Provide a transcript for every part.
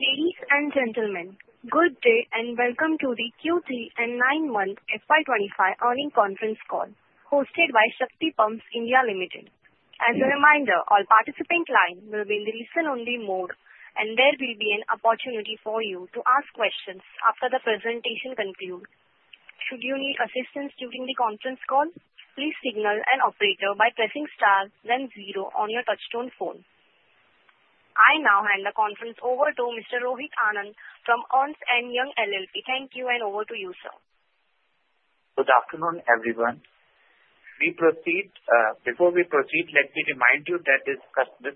Ladies and gentlemen, good day and welcome to the Q3 and 9-month FY25 earnings conference call hosted by Shakti Pumps India Limited. As a reminder, all participants' lines will remain in listen-only mode, and there will be an opportunity for you to ask questions after the presentation concludes. Should you need assistance during the conference call, please signal an operator by pressing star, then zero on your touch-tone phone. I now hand the conference over to Mr. Rohit Anand from Ernst & Young LLP. Thank you, and over to you, sir. Good afternoon, everyone. Before we proceed, let me remind you that this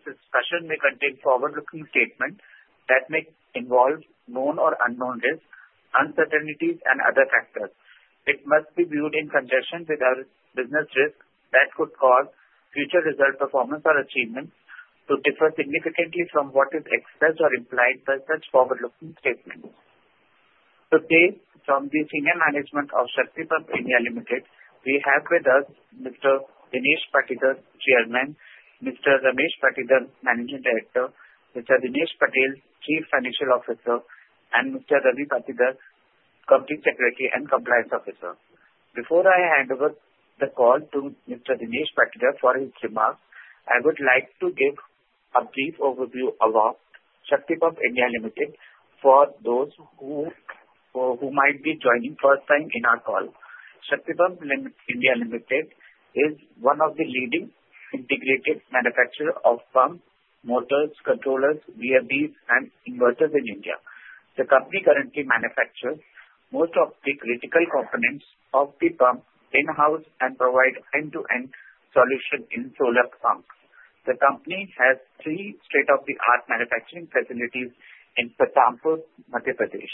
discussion may contain forward-looking statements that may involve known or unknown risks, uncertainties, and other factors. It must be viewed in conjunction with our business risks that could cause future result performance or achievements to differ significantly from what is expressed or implied by such forward-looking statements. Today, from the senior management of Shakti Pumps India Limited, we have with us Mr. Dinesh Patidar, Chairman; Mr. Ramesh Patidar, Managing Director; Mr. Dinesh Patil, Chief Financial Officer; and Mr. Ravi Patidar, Company Secretary and Compliance Officer. Before I hand over the call to Mr. Dinesh Patidar for his remarks, I would like to give a brief overview about Shakti Pumps India Limited for those who might be joining for the first time in our call. Shakti Pumps India Limited is one of the leading integrated manufacturers of pumps, motors, controllers, BMVs, and inverters in India. The company currently manufactures most of the critical components of the pump in-house and provides end-to-end solutions in solar pumps. The company has three state-of-the-art manufacturing facilities in Pathankot, Madhya Pradesh.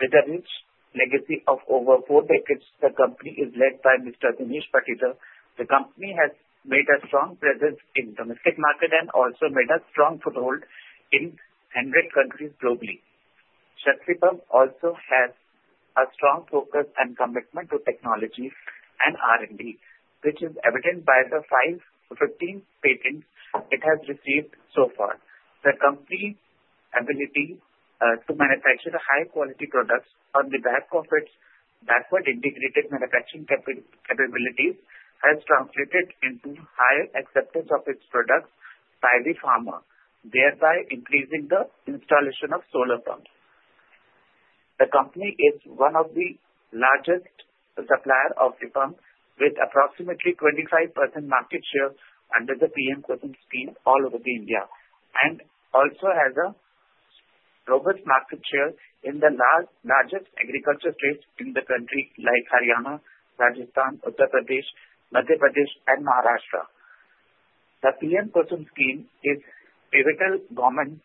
With a rich legacy of over four decades, the company is led by Mr. Dinesh Patidar. The company has made a strong presence in the domestic market and also made a strong foothold in 100 countries globally. Shakti Pumps also has a strong focus and commitment to technology and R&D, which is evident by the 15 patents it has received so far. The company's ability to manufacture high-quality products on the back of its backward-integrated manufacturing capabilities has translated into higher acceptance of its products by the farmer, thereby increasing the installation of solar pumps. The company is one of the largest suppliers of the pumps, with approximately 25% market share under the PM Consumer Scheme all over India, and also has a robust market share in the largest agriculture states in the country, like Haryana, Rajasthan, Uttar Pradesh, Madhya Pradesh, and Maharashtra. The PM Consumer Scheme is a pivotal government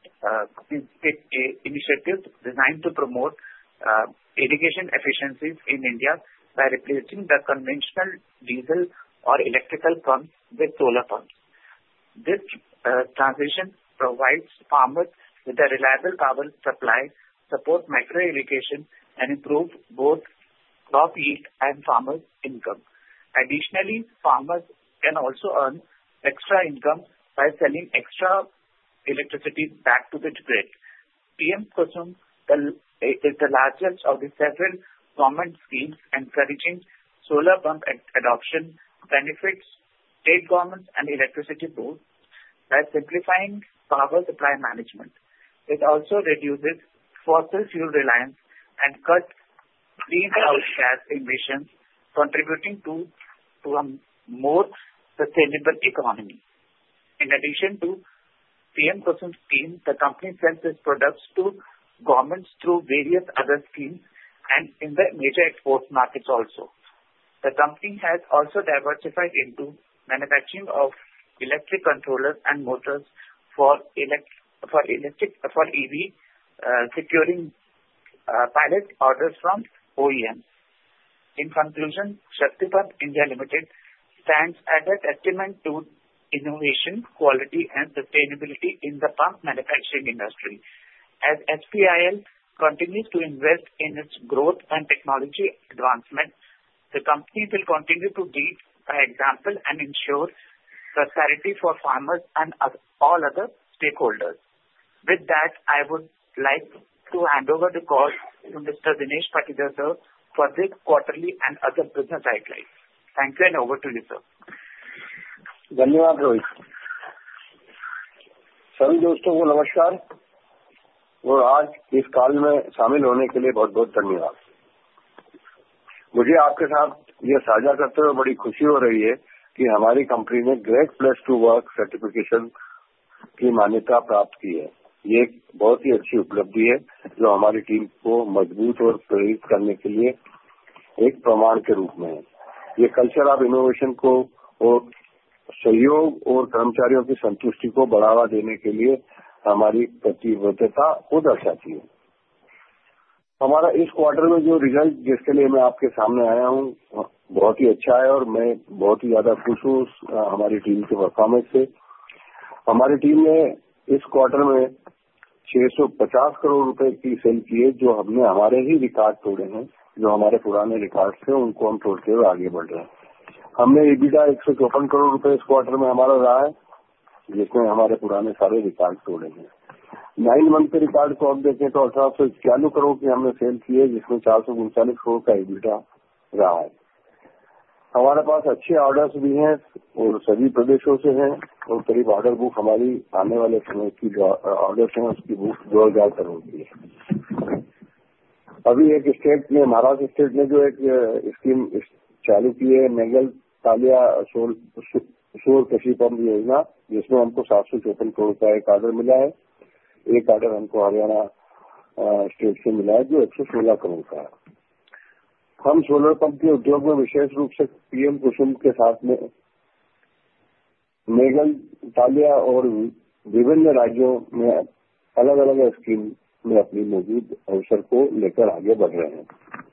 initiative designed to promote irrigation efficiencies in India by replacing the conventional diesel or electrical pumps with solar pumps. This transition provides farmers with a reliable power supply, supports micro-irrigation, and improves both crop yield and farmer's income. Additionally, farmers can also earn extra income by selling extra electricity back to the grid. PM Consumer is the largest of the several government schemes encouraging solar pump adoption, benefits state governments and electricity boards by simplifying power supply management. It also reduces fossil fuel reliance and cuts greenhouse gas emissions, contributing to a more sustainable economy. In addition to PM Consumer Scheme, the company sells its products to governments through various other schemes and in the major export markets also. The company has also diversified into manufacturing of electric controllers and motors for EV, securing pilot orders from OEMs. In conclusion, Shakti Pumps India Limited stands as a testament to innovation, quality, and sustainability in the pump manufacturing industry. As SPIL continues to invest in its growth and technology advancement, the company will continue to lead by example and ensure prosperity for farmers and all other stakeholders. With that, I would like to hand over the call to Mr. Dinesh Patidar, sir, for the quarterly and other business guidelines. Thank you, and over to you, sir. धन्यवाद, रोहित। सभी दोस्तों को नमस्कार और आज इस call में शामिल होने के लिए बहुत-बहुत धन्यवाद। मुझे आपके साथ यह साझा करते हुए बड़ी खुशी हो रही है कि हमारी कंपनी ने great place to work certification की मान्यता प्राप्त की है। यह एक बहुत ही अच्छी उपलब्धि है, जो हमारी टीम को मजबूत और प्रेरित करने के लिए एक प्रमाण के रूप में है। यह कल्चर ऑफ इनोवेशन और सहयोग और कर्मचारियों की संतुष्टि को बढ़ावा देने के लिए हमारी प्रतिबद्धता को दर्शाती है। हमारा इस क्वार्टर में जो रिजल्ट है, जिसके लिए मैं आपके सामने आया हूं, बहुत ही अच्छा है और मैं बहुत ही ज्यादा खुश हूं हमारी टीम के परफॉर्मेंस से। हमारी टीम ने इस क्वार्टर में ₹650 करोड़ की सेल की है, जो हमने हमारे ही रिकॉर्ड तोड़े हैं। जो हमारे पुराने रिकॉर्ड थे, उनको हम तोड़ते हुए आगे बढ़ रहे हैं। हमने EBITDA ₹154 करोड़ इस क्वार्टर में हमारा रहा है, जिसमें हमारे पुराने सारे रिकॉर्ड तोड़े हैं। नाइन मंथ के रिकॉर्ड को आप देखें तो ₹1,891 करोड़ की हमने सेल की है, जिसमें ₹439 करोड़ का EBITDA रहा है। हमारे पास अच्छे ऑर्डर्स भी हैं और सभी प्रदेशों से हैं, और करीब ऑर्डर बुक हमारी आने वाले समय की जो ऑर्डर्स हैं, उसकी बुक ₹2,000 करोड़ की है। अभी एक स्टेट ने, महाराष्ट्र स्टेट ने, जो एक स्कीम चालू की है, मुख्यमंत्री सौर कृषि पंप योजना, जिसमें हमको ₹754 करोड़ का एक ऑर्डर मिला है। एक ऑर्डर हमको हरियाणा स्टेट से मिला है, जो ₹116 करोड़ का है। हम सोलर पंप के उद्योग में विशेष रूप से PM कुसुम के साथ में मुख्यमंत्री सौर कृषि पंप योजना और विभिन्न राज्यों में अलग-अलग स्कीम में अपनी मौजूद अवसर को लेकर आगे बढ़ रहे हैं।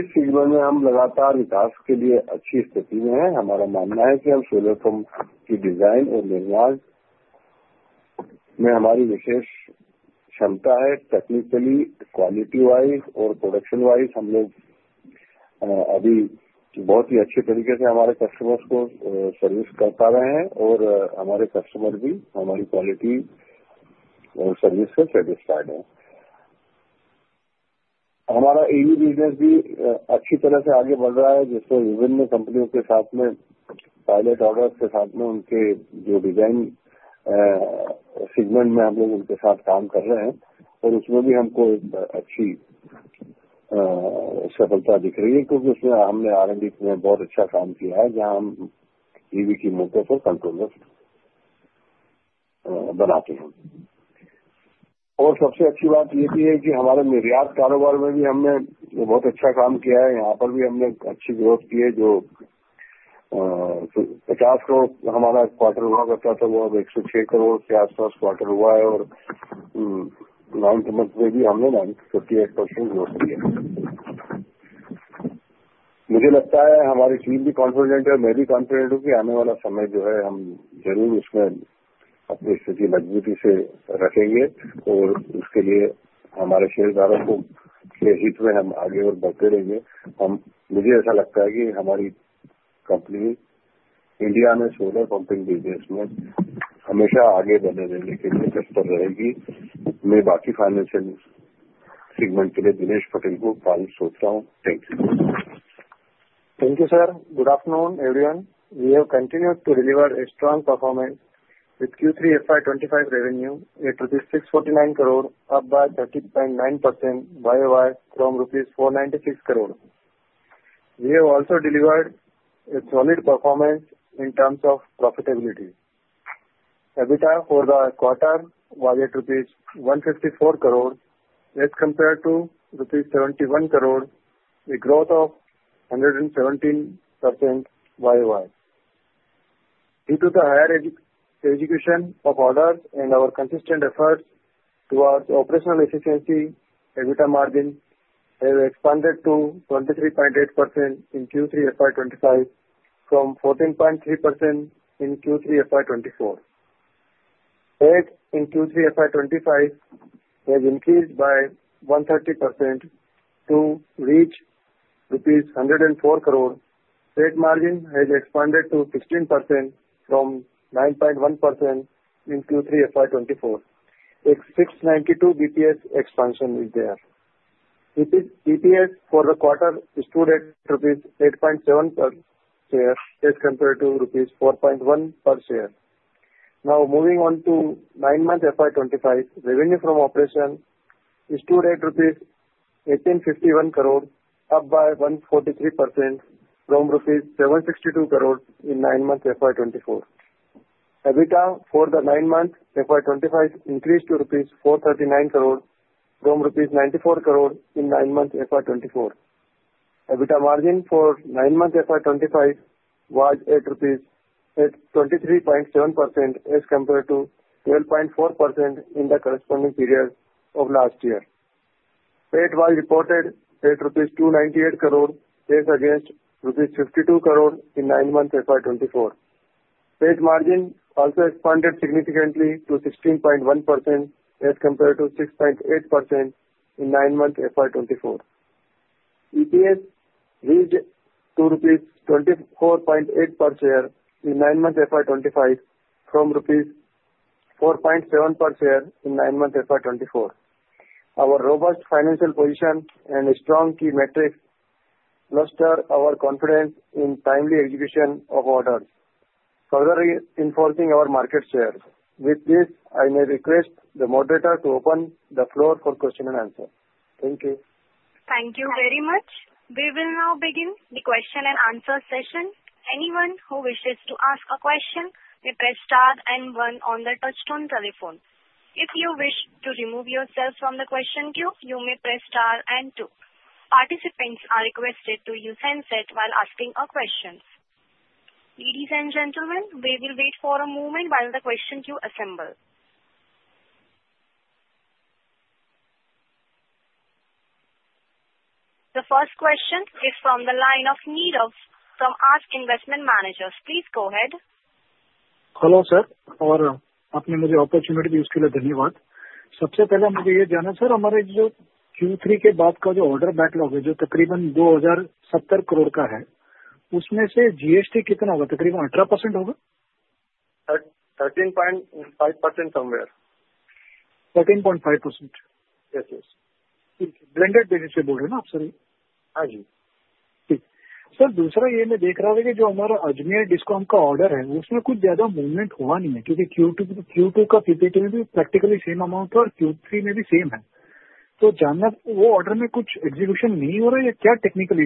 इस सीजन में हम लगातार विकास के लिए अच्छी स्थिति में हैं। हमारा मानना है कि हम सोलर पंप की डिजाइन और निर्माण में हमारी विशेष क्षमता है। टेक्निकली, क्वालिटी वाइज और प्रोडक्शन वाइज, हम लोग अभी बहुत ही अच्छे तरीके से हमारे कस्टमर्स को सर्विस कर पा रहे हैं और हमारे कस्टमर भी हमारी क्वालिटी सर्विस से संतुष्ट हैं। हमारा EV बिजनेस भी अच्छी तरह से आगे बढ़ रहा है, जिसमें विभिन्न कंपनियों के साथ में पायलट ऑर्डर्स के साथ में उनके जो डिजाइन सेगमेंट में हम लोग उनके साथ काम कर रहे हैं और उसमें भी हमको एक अच्छी सफलता दिख रही है, क्योंकि उसमें हमने R&D में बहुत अच्छा काम किया है, जहां हम EV की मोटर्स और कंट्रोलर्स बनाते हैं। और सबसे अच्छी बात यह भी है कि हमारे निर्यात कारोबार में भी हमने बहुत अच्छा काम किया है। यहां पर भी हमने अच्छी ग्रोथ की है, जो ₹50 करोड़ हमारा क्वार्टर हुआ करता था, वो अब ₹106 करोड़ के आसपास क्वार्टर हुआ है और नाइंथ मंथ में भी हमने 58% ग्रोथ की है। मुझे लगता है हमारी टीम भी कॉन्फिडेंट है और मैं भी कॉन्फिडेंट हूं कि आने वाला समय जो है, हम जरूर उसमें अपनी स्थिति मजबूती से रखेंगे और उसके लिए हमारे शेयरधारकों के हित में हम आगे और बढ़ते रहेंगे। मुझे ऐसा लगता है कि हमारी कंपनी इंडिया में सोलर पंपिंग बिजनेस में हमेशा आगे बने रहने के लिए बेहतर रहेगी। मैं बाकी फाइनेंसियल सेगमेंट के लिए दिनेश पाटिल को कॉल सौंप रहा हूं। धन्यवाद। Thank you, sir. Good afternoon, everyone. We have continued to deliver a strong performance with Q3 FY25 revenue at ₹649 crores, up by 30.9% year-over-year from ₹496 crores. We have also delivered a solid performance in terms of profitability. EBITDA for the quarter was ₹154 crores, as compared to ₹71 crores, a growth of 117% year-over-year. Due to the higher execution of orders and our consistent efforts towards operational efficiency, EBITDA margins have expanded to 23.8% in Q3 FY25 from 14.3% in Q3 FY24. PAT in Q3 FY25 has increased by 130% to reach ₹104 crores. PAT margin has expanded to 16% from 9.1% in Q3 FY24. A 692 basis points expansion is there. EPS for the quarter stood at ₹8.7 per share, as compared to ₹4.1 per share. Moving on to 9-month FY25, revenue from operations stood at ₹1,851 crores, up by 143% from ₹762 crores in 9-month FY24. EBITDA for the 9-month FY25 increased to ₹439 crore from ₹94 crore in 9-month FY24. EBITDA margin for 9-month FY25 was 23.7%, as compared to 12.4% in the corresponding period of last year. PAT was reported at ₹298 crore, against ₹52 crore in 9-month FY24. PAT margin also expanded significantly to 16.1%, as compared to 6.8% in 9-month FY24. EPS reached ₹24.8 per share in 9-month FY25 from ₹4.7 per share in 9-month FY24. Our robust financial position and strong key metrics bolster our confidence in timely execution of orders, further reinforcing our market share. With this, I may request the moderator to open the floor for question and answer. Thank you. Thank you very much. We will now begin the question and answer session. Anyone who wishes to ask a question may press star and one on the touchstone telephone. If you wish to remove yourself from the question queue, you may press star and two. Participants are requested to use handset while asking a question. Ladies and gentlemen, we will wait for a moment while the question queue assembles. The first question is from the line of Nirab from Ask Investment Managers. Please go ahead. Hello sir, और आपने मुझे opportunity दी, उसके लिए धन्यवाद। सबसे पहले मुझे ये जानना है, सर, हमारे जो Q3 के बाद का जो ऑर्डर बैकलॉग है, जो तकरीबन INR 2070 करोड़ का है, उसमें से GST कितना होगा? तकरीबन 18% होगा? 13.5% somewhere. 13.5%. Yes, yes. ठीक है, ब्लेंडेड बेसिस पे बोल रहे हैं ना आप? सॉरी, हां जी। ठीक, सर, दूसरा ये मैं देख रहा था कि जो हमारा अजमेर DISCOM का ऑर्डर है, उसमें कुछ ज्यादा मूवमेंट हुआ नहीं है, क्योंकि Q2 का PPT में भी प्रैक्टिकली सेम अमाउंट था और Q3 में भी सेम है। तो जानना, वो ऑर्डर में कुछ एग्जीक्यूशन नहीं हो रहा है या क्या टेक्निकल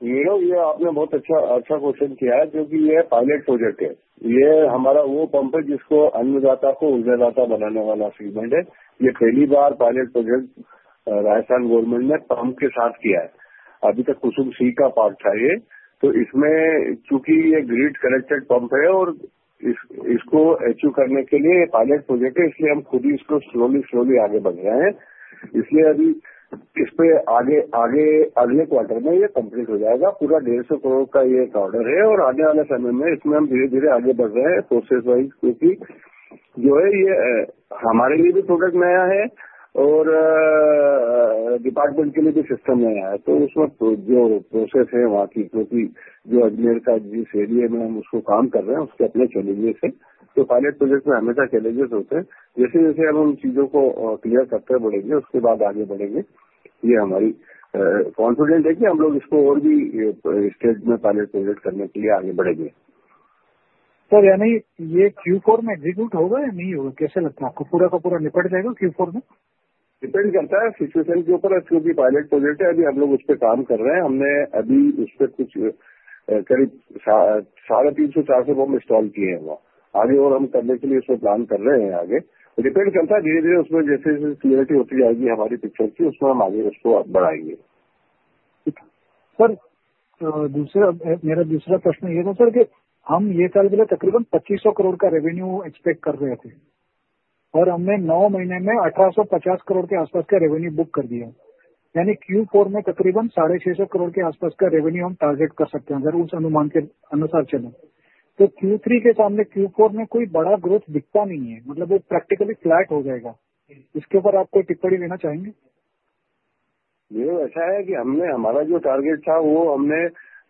इशू आ रही है उसमें? यह आपने बहुत अच्छा प्रश्न किया है, क्योंकि यह पायलट प्रोजेक्ट है। यह हमारा वो पंप है, जिसको अन्नदाता को ऊर्जादाता बनाने वाला सेगमेंट है। यह पहली बार पायलट प्रोजेक्ट राजस्थान गवर्नमेंट ने पंप के साथ किया है। अभी तक कुसुम सी का पार्ट था यह। तो इसमें चूंकि यह ग्रिड कनेक्टेड पंप है और इसको अचीव करने के लिए यह पायलट प्रोजेक्ट है, इसलिए हम खुद ही इसको धीरे-धीरे आगे बढ़ा रहे हैं। इसलिए अभी इस पर आगे अगले क्वार्टर में यह कंप्लीट हो जाएगा। पूरा INR 150 करोड़ का यह एक ऑर्डर है और आने वाले समय में इसमें हम धीरे-धीरे आगे बढ़ रहे हैं प्रोसेस वाइज, क्योंकि जो है यह हमारे लिए भी प्रोडक्ट नया है और डिपार्टमेंट के लिए भी सिस्टम नया है। तो उसमें जो प्रोसेस है वहां की, क्योंकि जो अजमेर का जिस एरिया में हम उसको काम कर रहे हैं, उसके अपने चैलेंजेस हैं। तो पायलट प्रोजेक्ट में हमेशा चैलेंजेस होते हैं। जैसे-जैसे हम उन चीजों को क्लियर करते हुए बढ़ेंगे, उसके बाद आगे बढ़ेंगे। यह हमारी कॉन्फिडेंस है कि हम लोग इसको और भी स्टेज में पायलट प्रोजेक्ट करने के लिए आगे बढ़ेंगे। सर, यानी यह Q4 में एग्जीक्यूट होगा या नहीं होगा? कैसे लगता है आपको? पूरा का पूरा निपट जाएगा Q4 में? डिपेंड करता है सिचुएशन के ऊपर, क्योंकि पायलट प्रोजेक्ट है। अभी हम लोग उस पे काम कर रहे हैं। हमने अभी उस पे कुछ करीब 350-400 बम इंस्टॉल किए हैं वहां। आगे और हम करने के लिए उसमें प्लान कर रहे हैं। आगे डिपेंड करता है, धीरे-धीरे उसमें जैसे-जैसे क्लेरिटी होती जाएगी हमारी पिक्चर की, उसमें हम आगे उसको बढ़ाएंगे। ठीक है, सर। दूसरा, मेरा दूसरा प्रश्न ये था, सर, कि हम ये कल तकरीबन ₹2,500 करोड़ का रेवेन्यू एक्सपेक्ट कर रहे थे और हमने 9 महीने में ₹1,850 करोड़ के आसपास का रेवेन्यू बुक कर दिया। यानी Q4 में तकरीबन ₹650 करोड़ के आसपास का रेवेन्यू हम टारगेट कर सकते हैं, अगर उस अनुमान के अनुसार चले। तो Q3 के सामने Q4 में कोई बड़ा ग्रोथ दिखता नहीं है। मतलब वो प्रैक्टिकली फ्लैट हो जाएगा। इसके ऊपर आप कोई टिप्पणी देना चाहेंगे? यह ऐसा है कि हमने हमारा जो टारगेट था, वो हमने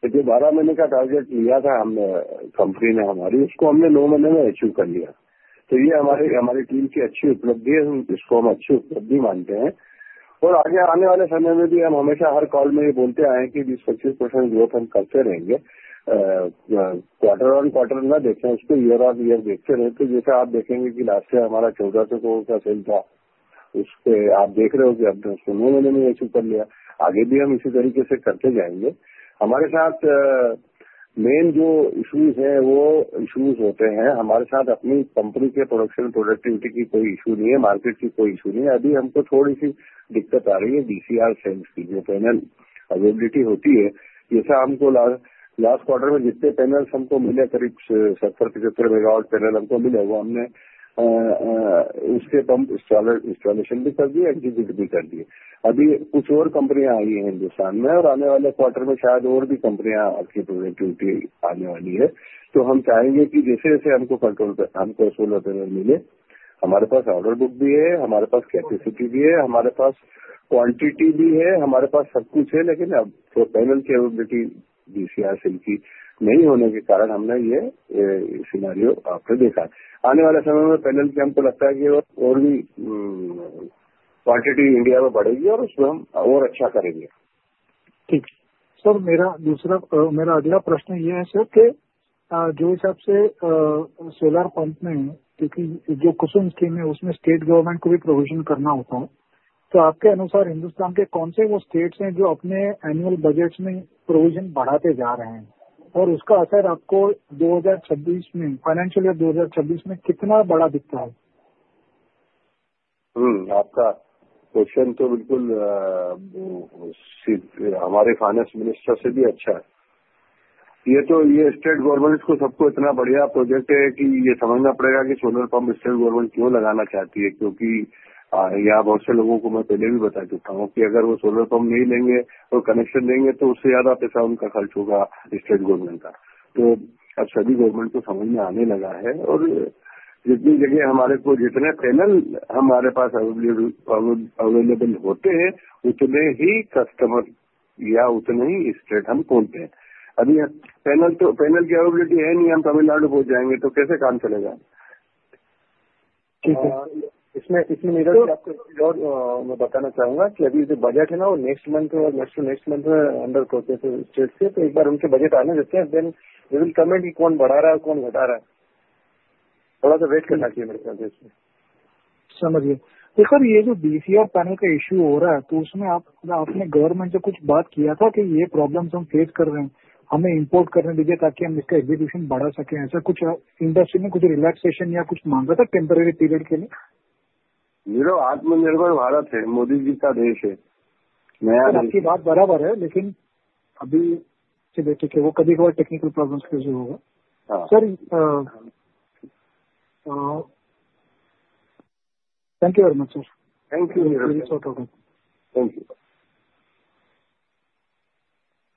जो 12 महीने का टारगेट लिया था, हमने कंपनी ने हमारी, उसको हमने 9 महीने में अचीव कर लिया। तो यह हमारी हमारी टीम की अच्छी उपलब्धि है, जिसको हम अच्छी उपलब्धि मानते हैं। और आगे आने वाले समय में भी हम हमेशा हर कॉल में यह बोलते आए हैं कि 20-25% ग्रोथ हम करते रहेंगे। क्वार्टर ऑन क्वार्टर ना देखें, उसको ईयर ऑन ईयर देखते रहें। तो जैसे आप देखेंगे कि लास्ट टाइम हमारा INR 1400 करोड़ का सेल था, उस पे आप देख रहे हो कि हमने उसको 9 महीने में अचीव कर लिया। आगे भी हम इसी तरीके से करते जाएंगे। हमारे साथ मेन जो इश्यूज हैं, वो इश्यूज होते हैं। हमारे साथ अपनी कंपनी के प्रोडक्शन प्रोडक्टिविटी की कोई इश्यू नहीं है, मार्केट की कोई इश्यू नहीं है। अभी हमको थोड़ी सी दिक्कत आ रही है बीसीआर सेल्स की, जो पैनल अवेलेबिलिटी होती है। जैसा हमको लास्ट क्वार्टर में जितने पैनल्स हमको मिले, करीब 70-75 मेगावाट पैनल हमको मिले, वो हमने उसके पंप इंस्टॉलेशन भी कर दिए, एग्जीक्यूट भी कर दिए। अभी कुछ और कंपनियां आई हैं हिंदुस्तान में और आने वाले क्वार्टर में शायद और भी कंपनियां आपकी प्रोडक्टिविटी आने वाली है। तो हम चाहेंगे कि जैसे-जैसे हमको कंट्रोल, हमको सोलर पैनल मिले, हमारे पास ऑर्डर बुक भी है, हमारे पास कैपेसिटी भी है, हमारे पास क्वांटिटी भी है, हमारे पास सब कुछ है। लेकिन अब पैनल की अवेलेबिलिटी बीसीआर सेल की नहीं होने के कारण हमने यह सिनेरियो आपने देखा। आने वाले समय में पैनल की हमको लगता है कि और भी क्वांटिटी इंडिया में बढ़ेगी और उसमें हम और अच्छा करेंगे। ठीक, सर। मेरा दूसरा, मेरा अगला प्रश्न यह है, सर, कि जो हिसाब से सोलर पंप में है, क्योंकि जो कुसुम स्कीम है, उसमें स्टेट गवर्नमेंट को भी प्रोविजन करना होता है। तो आपके अनुसार हिंदुस्तान के कौन से वो स्टेट्स हैं, जो अपने एनुअल बजेट्स में प्रोविजन बढ़ाते जा रहे हैं और उसका असर आपको 2026 में, फाइनेंसियल ईयर 2026 में, कितना बड़ा दिखता है? आपका प्रश्न तो बिल्कुल हमारे फाइनेंस मिनिस्टर से भी अच्छा है। यह तो यह स्टेट गवर्नमेंट को सबको इतना बढ़िया प्रोजेक्ट है कि यह समझना पड़ेगा कि सोलर पंप स्टेट गवर्नमेंट क्यों लगाना चाहती है। क्योंकि यहाँ बहुत से लोगों को मैं पहले भी बता चुका हूँ कि अगर वो सोलर पंप नहीं लेंगे और कनेक्शन देंगे, तो उससे ज्यादा पैसा उनका खर्च होगा स्टेट गवर्नमेंट का। तो अब सभी गवर्नमेंट को समझ में आने लगा है और जितनी जगह हमारे को, जितने पैनल हमारे पास अवेलेबल होते हैं, उतने ही कस्टमर या उतने ही स्टेट हम खोलते हैं। अभी पैनल तो पैनल की अवेलेबिलिटी है नहीं, हम तमिलनाडु पहुँच जाएंगे, तो कैसे काम चलेगा? ठीक है, इसमें मेरा आपको एक और मैं बताना चाहूंगा कि अभी जो बजट है ना, वो नेक्स्ट मंथ और नेक्स्ट टू नेक्स्ट मंथ में अंडर प्रोसेस स्टेट्स के। तो एक बार उनके बजट आने देते हैं, देन दे विल कमेंट कि कौन बढ़ा रहा है, कौन घटा रहा है। थोड़ा सा वेट करना चाहिए मेरे ख्याल से इसमें। समझिए, देखो ये जो BCR पैनल का इश्यू हो रहा है, तो उसमें आपने गवर्नमेंट से कुछ बात किया था कि ये प्रॉब्लम्स हम फेस कर रहे हैं, हमें इंपोर्ट करने दीजिए ताकि हम इसका एग्जीक्यूशन बढ़ा सकें। ऐसा कुछ इंडस्ट्री में कुछ रिलैक्सेशन या कुछ मांगा था टेम्पररी पीरियड के लिए? आत्मनिर्भर भारत है, मोदी जी का देश है। नया देश की बात बराबर है, लेकिन अभी। चलिए, ठीक है, वो कभी-कभार टेक्निकल प्रॉब्लम्स के से होगा। Sir, thank you very much. Sir, thank you. Thank you.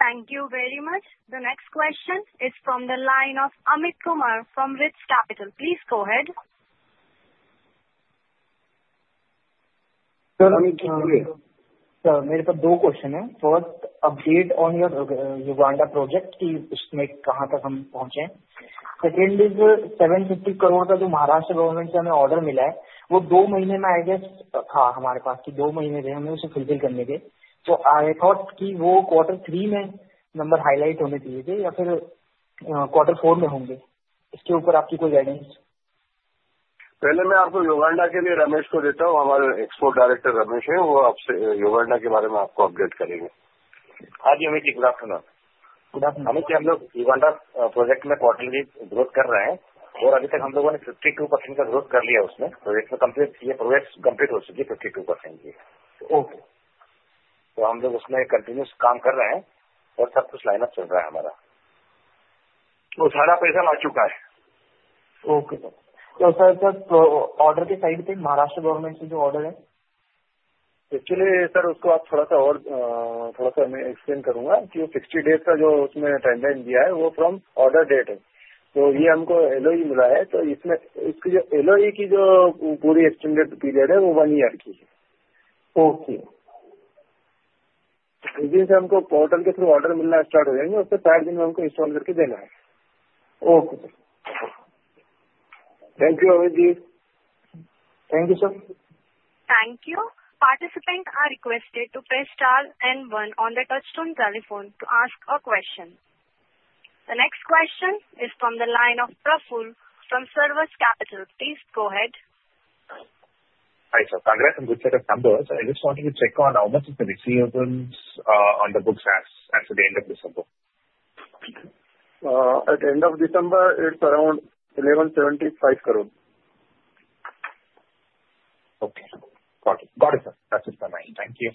Thank you very much. The next question is from the line of Amit Kumar from Ritz Capital. Please go ahead. Sir, मेरे पास दो question हैं। First, update on your Uganda project कि उसमें कहां तक हम पहुंचे हैं। सेकंड, INR 750 करोड़ का जो महाराष्ट्र गवर्नमेंट से हमें ऑर्डर मिला है, वो दो महीने में आई गेस था हमारे पास कि दो महीने थे हमें उसे फुलफिल करने के। तो आई थॉट कि वो क्वार्टर थ्री में नंबर हाईलाइट होने चाहिए थे या फिर क्वार्टर फोर में होंगे। इसके ऊपर आपकी कोई गाइडेंस? पहले मैं आपको युगांडा के लिए रमेश को देता हूं। हमारे एक्सपोर्ट डायरेक्टर रमेश है, वो आपसे युगांडा के बारे में आपको अपडेट करेंगे। हां जी, Amit ji, good afternoon. Good afternoon. Amit ji, हम लोग युगांडा प्रोजेक्ट में क्वार्टरली ग्रोथ कर रहे हैं और अभी तक हम लोगों ने 52% का ग्रोथ कर लिया। उसमें प्रोजेक्ट में कंप्लीट ये प्रोजेक्ट कंप्लीट हो चुकी है 52% की। ओके, तो हम लोग उसमें कंटिन्यूअस काम कर रहे हैं और सब कुछ लाइन अप चल रहा है हमारा। तो सारा पैसा आ चुका है। Okay, sir. तो सर, ऑर्डर के साइड पे महाराष्ट्र गवर्नमेंट से जो ऑर्डर है, एक्चुअली, सर, उसको आप थोड़ा सा और थोड़ा सा मैं एक्सप्लेन करूंगा कि वो 60 डेज का जो उसमें टाइमलाइन दिया है, वो फ्रॉम ऑर्डर डेट है। तो ये हमको एलओई मिला है। तो इसमें इसकी जो एलओई की जो पूरी एक्सटेंडेड पीरियड है, वो वन ईयर की है। ओके, जिस दिन से हमको पोर्टल के थ्रू ऑर्डर मिलना स्टार्ट हो जाएंगे, उससे 60 दिन में हमको इंस्टॉल करके देना है। Okay, sir. Thank you, Amit ji. Thank you, sir. Thank you. Participants are requested to press star and one on the touchstone telephone to ask a question. The next question is from the line of Praful from Service Capital. Please go ahead. Hi, sir. Congrats on good set of numbers. I just wanted to check on how much is the receivables on the books as at the end of December? At the end of December, it's around ₹1,175 crore. Okay, got it. Got it, sir. That's it for my end. Thank you.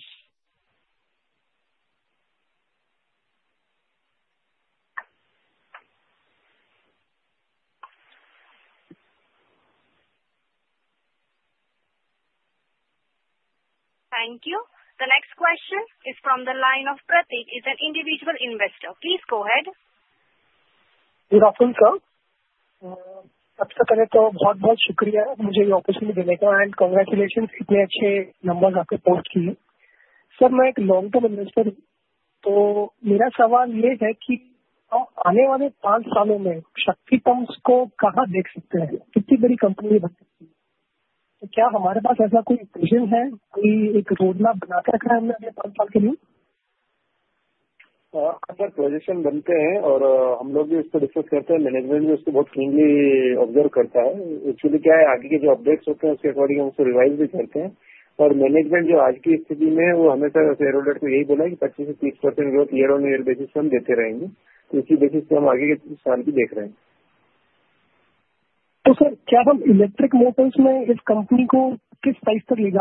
Thank you. The next question is from the line of Pratik, is an individual investor. Please go ahead. जी, Rahul sir, सबसे पहले तो बहुत-बहुत शुक्रिया है मुझे ये opportunity देने का और कांग्रेचुलेशंस, इतने अच्छे नंबर्स आपने पोस्ट किए। सर, मैं एक लॉन्ग टर्म इन्वेस्टर हूं, तो मेरा सवाल ये है कि आने वाले पांच सालों में शक्ति पंप को कहां देख सकते हैं? कितनी बड़ी कंपनी बन सकती है? तो क्या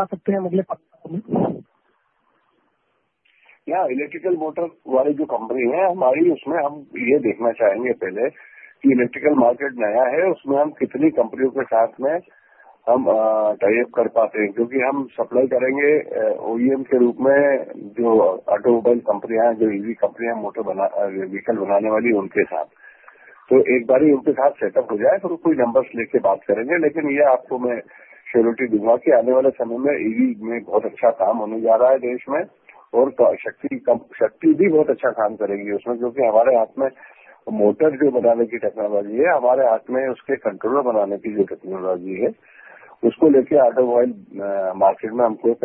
हमारे पास ऐसा कोई विजन है, कोई एक रोड मैप बना के रखा है हमने अगले पांच साल के लिए? हां, सर, प्रोजेक्शन बनते हैं और हम लोग भी उसको डिस्कस करते हैं। मैनेजमेंट भी उसको बहुत क्लीनली ऑब्जर्व करता है। एक्चुअली, क्या है, आगे के जो अपडेट्स होते हैं, उसके अकॉर्डिंग हम उसको रिवाइज भी करते हैं। और मैनेजमेंट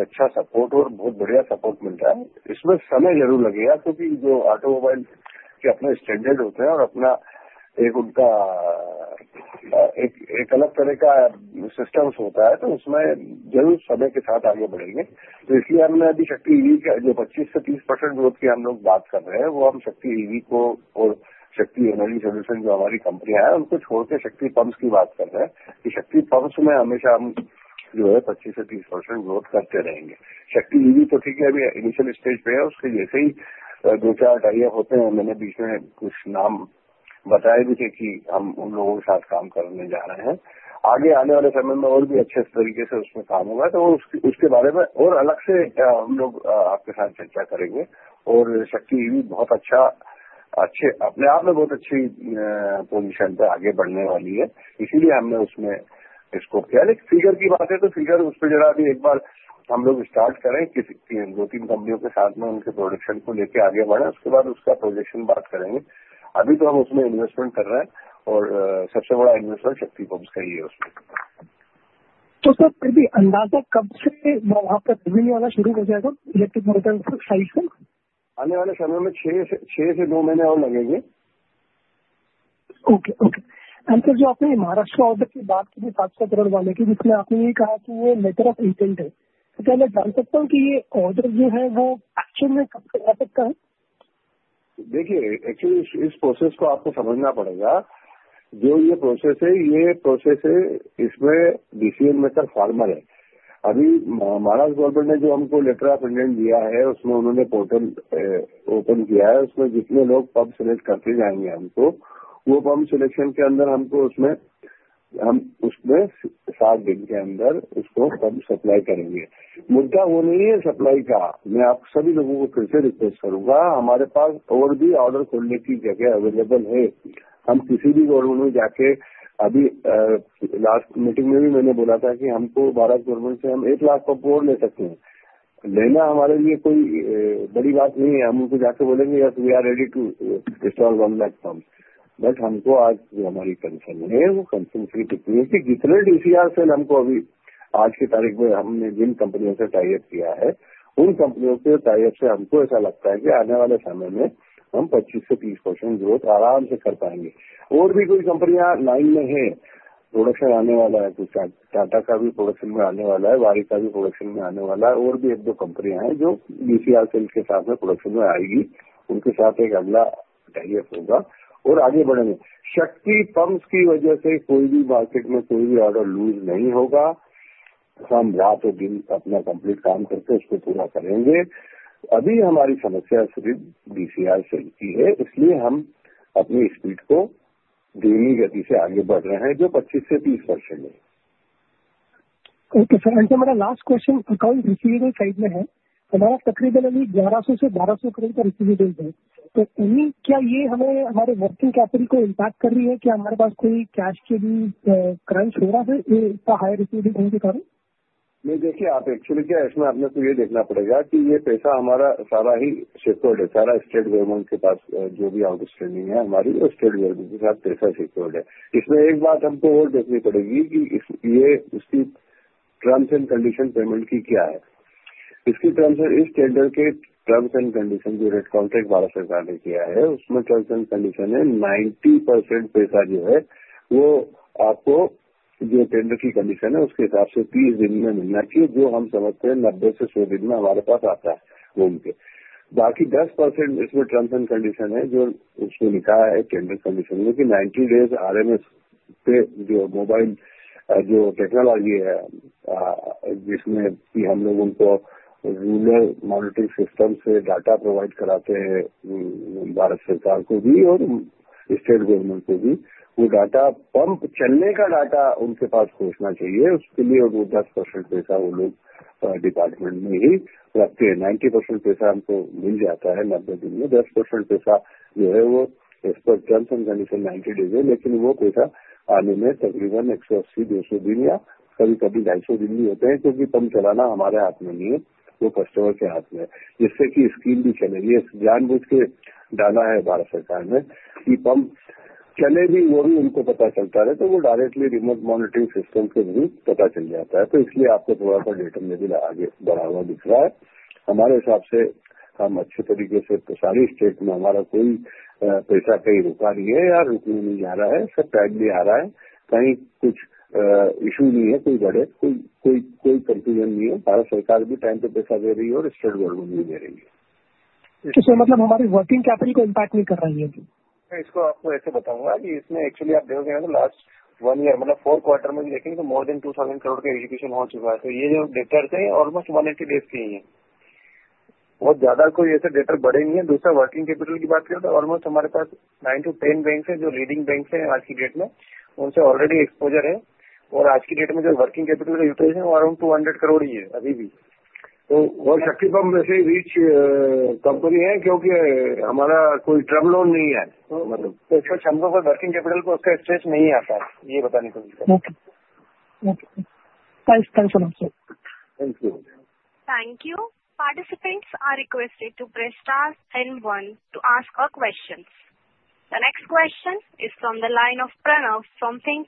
जो आज की स्थिति में है, वो हमेशा शेयर होल्डर को यही बोला है कि 25% से 30% growth year on year basis पे हम देते रहेंगे। उसी बेसिस पे हम आगे के साल भी देख रहे हैं। तो सर, क्या हम इलेक्ट्रिक मोटर्स में इस कंपनी को किस साइज तक ले जा सकते हैं हम अगले पांच सालों में? यह इलेक्ट्रिकल मोटर्स वाली जो कंपनी है हमारी, उसमें हम यह देखना चाहेंगे पहले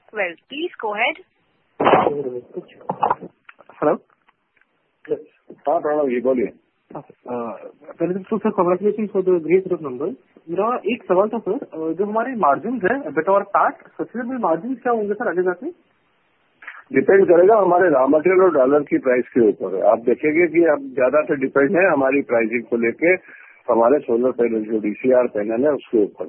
कि इलेक्ट्रिकल मार्केट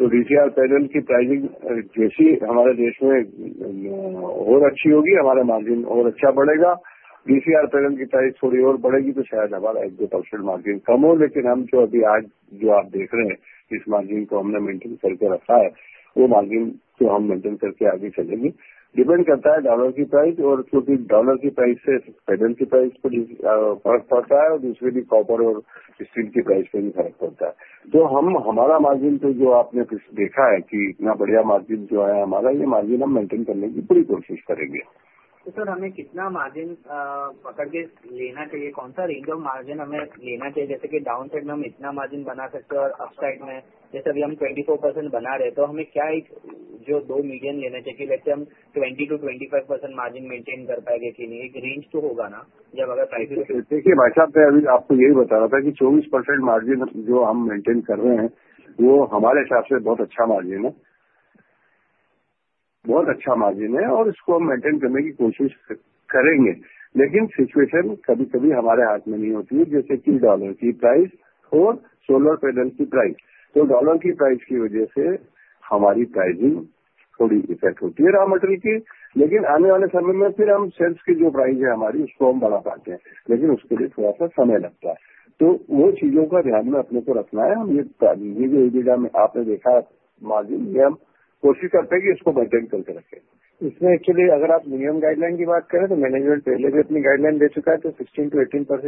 नया है, उसमें हम कितनी कंपनियों के साथ में हम टाई अप कर पाते हैं। क्योंकि हम सप्लाई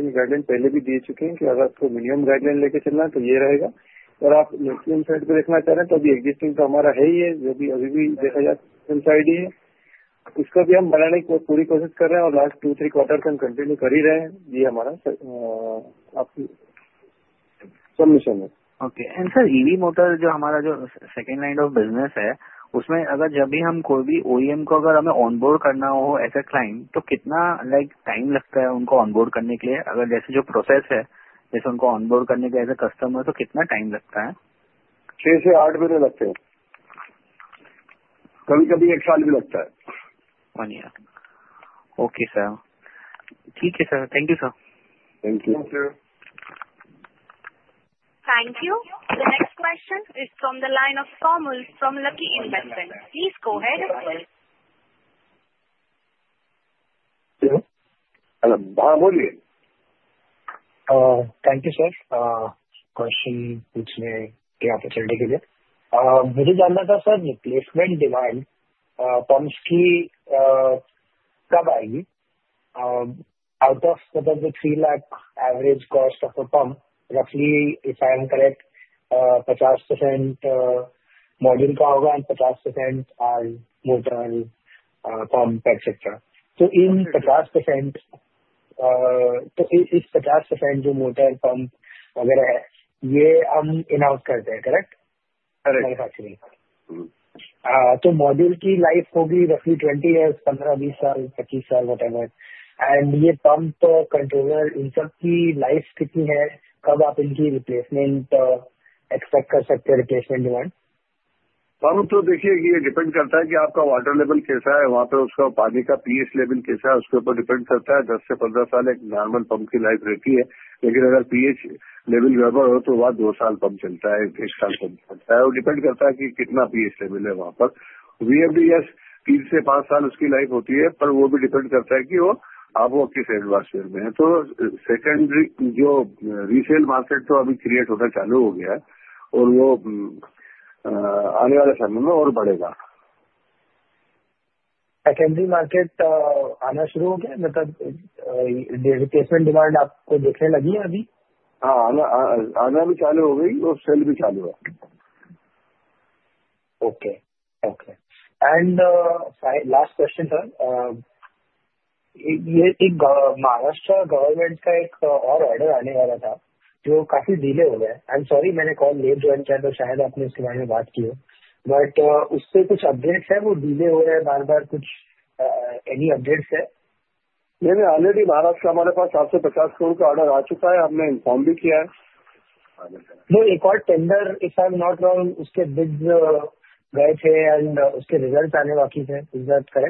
साल,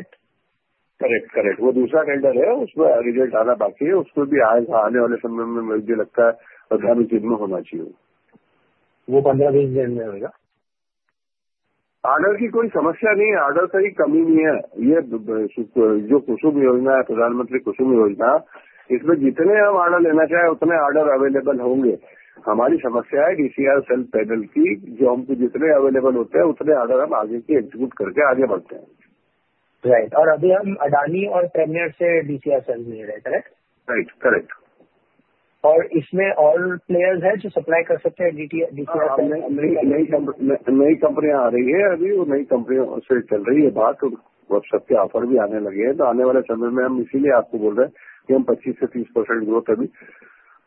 25 साल, व्हाटएवर। एंड ये पंप और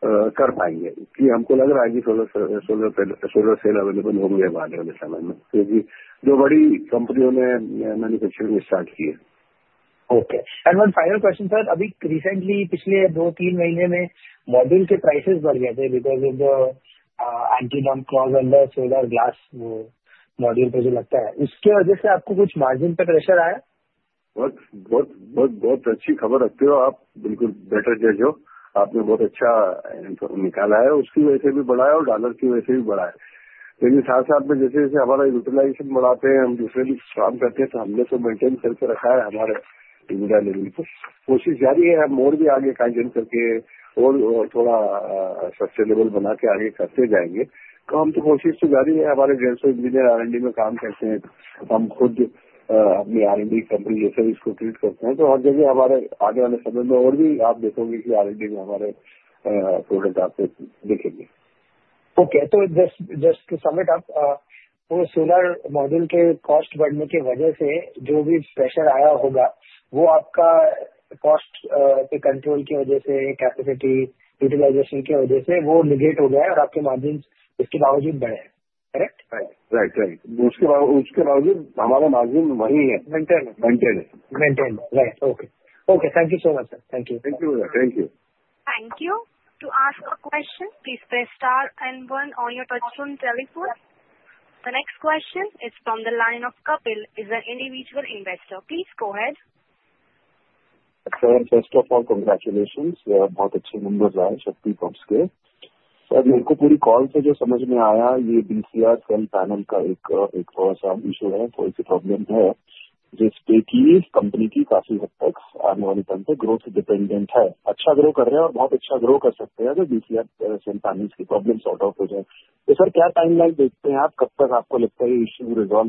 कंट्रोलर, इन सब की लाइफ कितनी है? कब आप इनकी रिप्लेसमेंट एक्सपेक्ट कर सकते हैं? Replacement demand? पंप तो देखिए, ये डिपेंड करता है कि आपका वाटर लेवल कैसा है। वहां पे उसका पानी का pH लेवल कैसा है, उसके ऊपर डिपेंड करता है। 10 से 15 साल एक नॉर्मल पंप की लाइफ रहती है। लेकिन अगर pH लेवल गड़बड़ हो, तो वहां 2 साल पंप चलता है, 1 साल पंप चलता है। वो डिपेंड करता है कि कितना pH लेवल है। वहां पर VFDs तीन से पांच साल उसकी लाइफ होती है, पर वो भी डिपेंड करता है कि वो आप वो किस एडवांसमेंट में है। तो सेकेंडरी जो रिसेल मार्केट तो अभी क्रिएट होना चालू हो गया है और वो आने वाले समय में और बढ़ेगा। सेकेंडरी मार्केट आना शुरू हो गया है। मतलब रिप्लेसमेंट डिमांड आपको दिखने लगी है अभी? हां, आना आना भी चालू हो गई और सेल भी चालू है। Okay, okay. And last question, sir, ये एक महाराष्ट्र गवर्नमेंट का एक और ऑर्डर आने वाला था, जो काफी डिले हो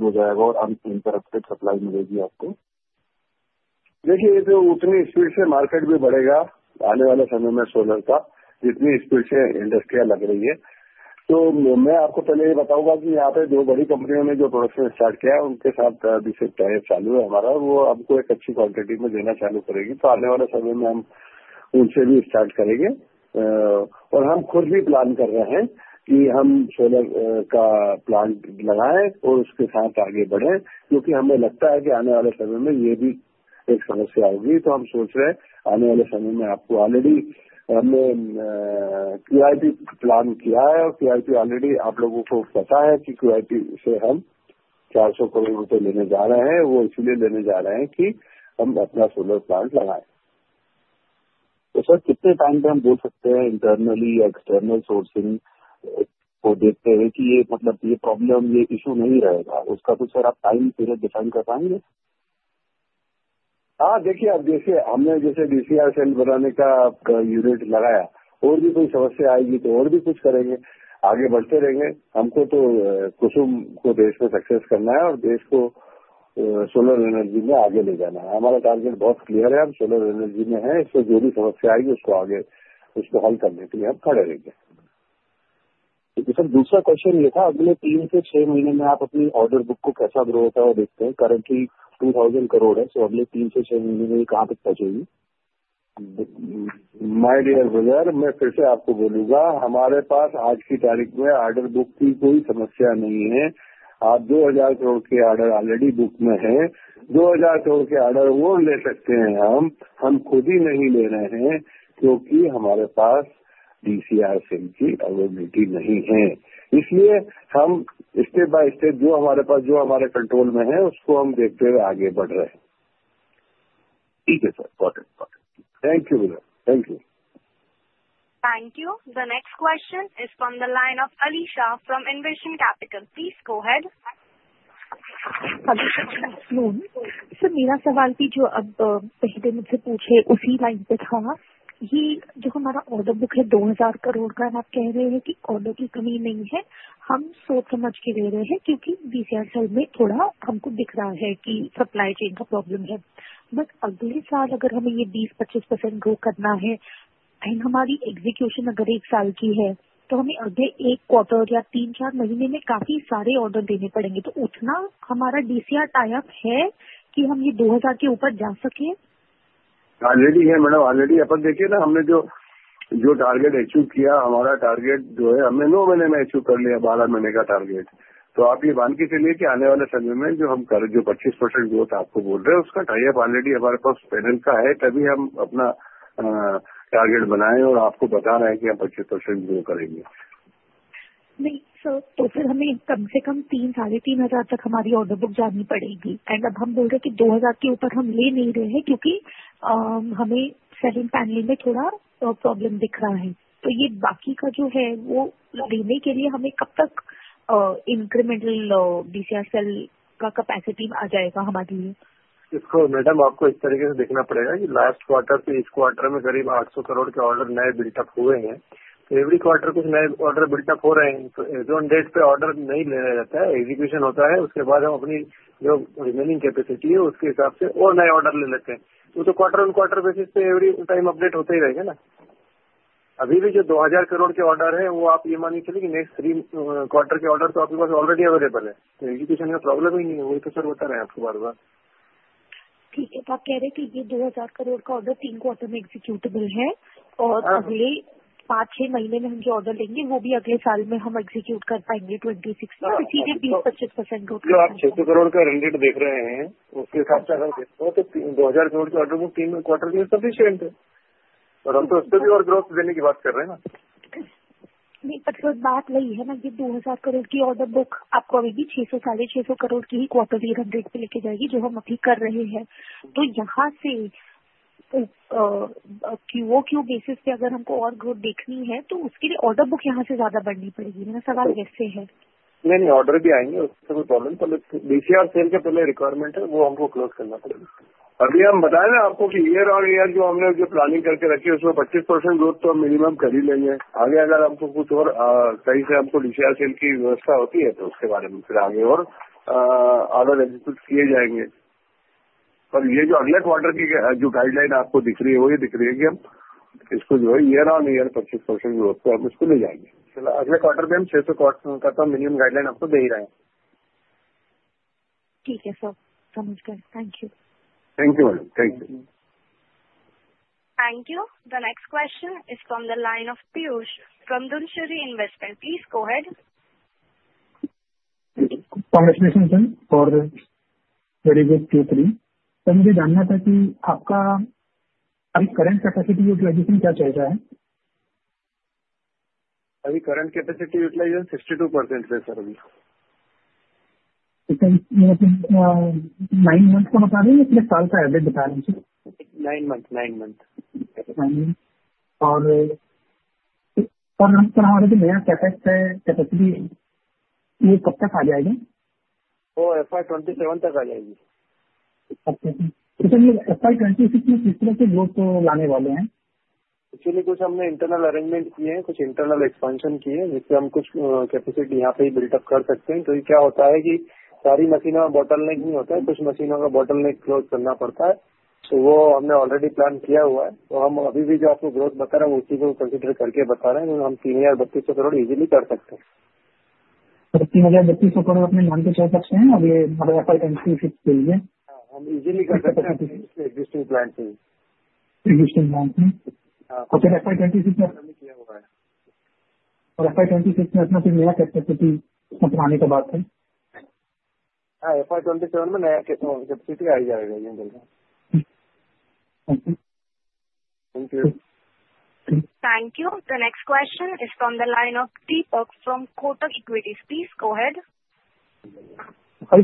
गया है। आई एम सॉरी, मैंने कॉल लेट जॉइन किया, तो शायद आपने उसके बारे में बात की हो। बट उससे कुछ अपडेट्स हैं, वो डिले हो रहे हैं। बार-बार कुछ एनी अपडेट्स हैं? नहीं, नहीं, ऑलरेडी महाराष्ट्र हमारे पास INR 750 करोड़ का ऑर्डर आ चुका है। हमने इन्फॉर्म भी किया है। वो एक और tender, if I am not wrong, उसके बिड गए थे एंड उसके रिजल्ट्स आने बाकी थे। Is that correct? Correct, correct. वो दूसरा टेंडर है, उसमें रिजल्ट आना बाकी है। उसको भी आने वाले समय में मुझे लगता है 15-20 दिन में होना चाहिए। वो 15-20 दिन में होगा। ऑर्डर की कोई समस्या नहीं है। ऑर्डर का ही कमी नहीं है। ये जो कुसुम योजना है, प्रधानमंत्री कुसुम योजना, इसमें जितने हम ऑर्डर लेना चाहे, उतने ऑर्डर अवेलेबल होंगे। हमारी समस्या है DCR सेल पैनल की, जो हमको जितने अवेलेबल होते हैं, उतने ऑर्डर हम आगे के एग्जीक्यूट करके आगे बढ़ते हैं। राइट। और अभी हम अडानी और प्रीमियर से DCR सेल ले रहे हैं, करेक्ट? Right, correct. और इसमें और प्लेयर्स हैं जो सप्लाई कर सकते हैं? DCR cell? नहीं, नई कंपनियां आ रही हैं। अभी वो नई कंपनियों से चल रही है बात और WhatsApp के ऑफर भी आने लगे हैं। तो आने वाले समय में हम इसीलिए आपको बोल रहे हैं कि हम 25% से 30% ग्रोथ अभी कर पाएंगे। इसलिए हमको लग रहा है कि सोलर सेल अवेलेबल होंगे अब आने वाले समय में, क्योंकि जो बड़ी कंपनियों ने मैन्युफैक्चरिंग स्टार्ट की है। Okay. And one final question, sir, अभी रिसेंटली पिछले दो-तीन महीने में मॉड्यूल के प्राइसेस बढ़ गए थे, because of the anti dump clause under solar glass. वो मॉड्यूल पे जो लगता है, उसके वजह से आपको कुछ मार्जिन पे प्रेशर आया? बहुत, बहुत, बहुत, बहुत अच्छी खबर रखते हो आप। बिल्कुल बेहतर जज हो। आपने बहुत अच्छा निकाला है। उसकी वजह से भी बड़ा है और डॉलर की वजह से भी बड़ा है। लेकिन साथ-साथ में जैसे-जैसे हमारा यूटिलाइजेशन बढ़ाते हैं, हम दूसरे भी काम करते हैं। तो हमने तो मेंटेन करके रखा है हमारे इंडिया लेवल पे। कोशिश जारी है। हम और भी आगे कैजन करके और थोड़ा सस्टेनेबल बना के आगे करते जाएंगे। तो हम तो कोशिश तो जारी है। हमारे 150 इंजीनियर R&D में काम करते हैं। हम खुद अपनी R&D कंपनी जैसे इसको ट्रीट करते हैं। तो हर जगह हमारे आने वाले समय में और भी आप देखोगे कि R&D में हमारे प्रोडक्ट आपको दिखेंगे। ओके। तो जस्ट टू समराइज, वो सोलर मॉड्यूल के कॉस्ट बढ़ने की वजह से जो भी प्रेशर आया होगा, वो आपका कॉस्ट के कंट्रोल की वजह से, कैपेसिटी यूटिलाइजेशन की वजह से वो नेगेट हो गया है और आपके मार्जिंस उसके बावजूद बढ़े हैं। करेक्ट? Right, right, right. उसके बाद, उसके बावजूद हमारा मार्जिन वही है। मेंटेन है, मेंटेन है, मेंटेन है। Right. Okay, okay. Thank you so much, sir. Thank you, thank you, thank you. Thank you. To ask a question, please press star and one on your touch on telephone. The next question is from the line of Kapil. Is a individual investor. Please go ahead. Sir, first of all, congratulations. बहुत अच्छे numbers आए Shakti pump के। Sir, मेरे को पूरी call से जो समझ में आया, ये DCR सेल पैनल का एक थोड़ा सा इशू है। थोड़ी सी प्रॉब्लम है, जिस पे कि कंपनी की काफी हद तक आने वाले टाइम पे ग्रोथ डिपेंडेंट है। अच्छा ग्रो कर रहे हैं और बहुत अच्छा ग्रो कर सकते हैं अगर DCR सेल पैनल्स की प्रॉब्लम सॉर्ट आउट हो जाए। तो सर, क्या टाइमलाइन देखते हैं आप? कब तक आपको लगता है ये इश्यू रिज़ॉल्व हो जाएगा और अनइंटरप्टेड सप्लाई मिलेगी आपको? देखिए, ये तो उतनी स्पीड से मार्केट भी बढ़ेगा आने का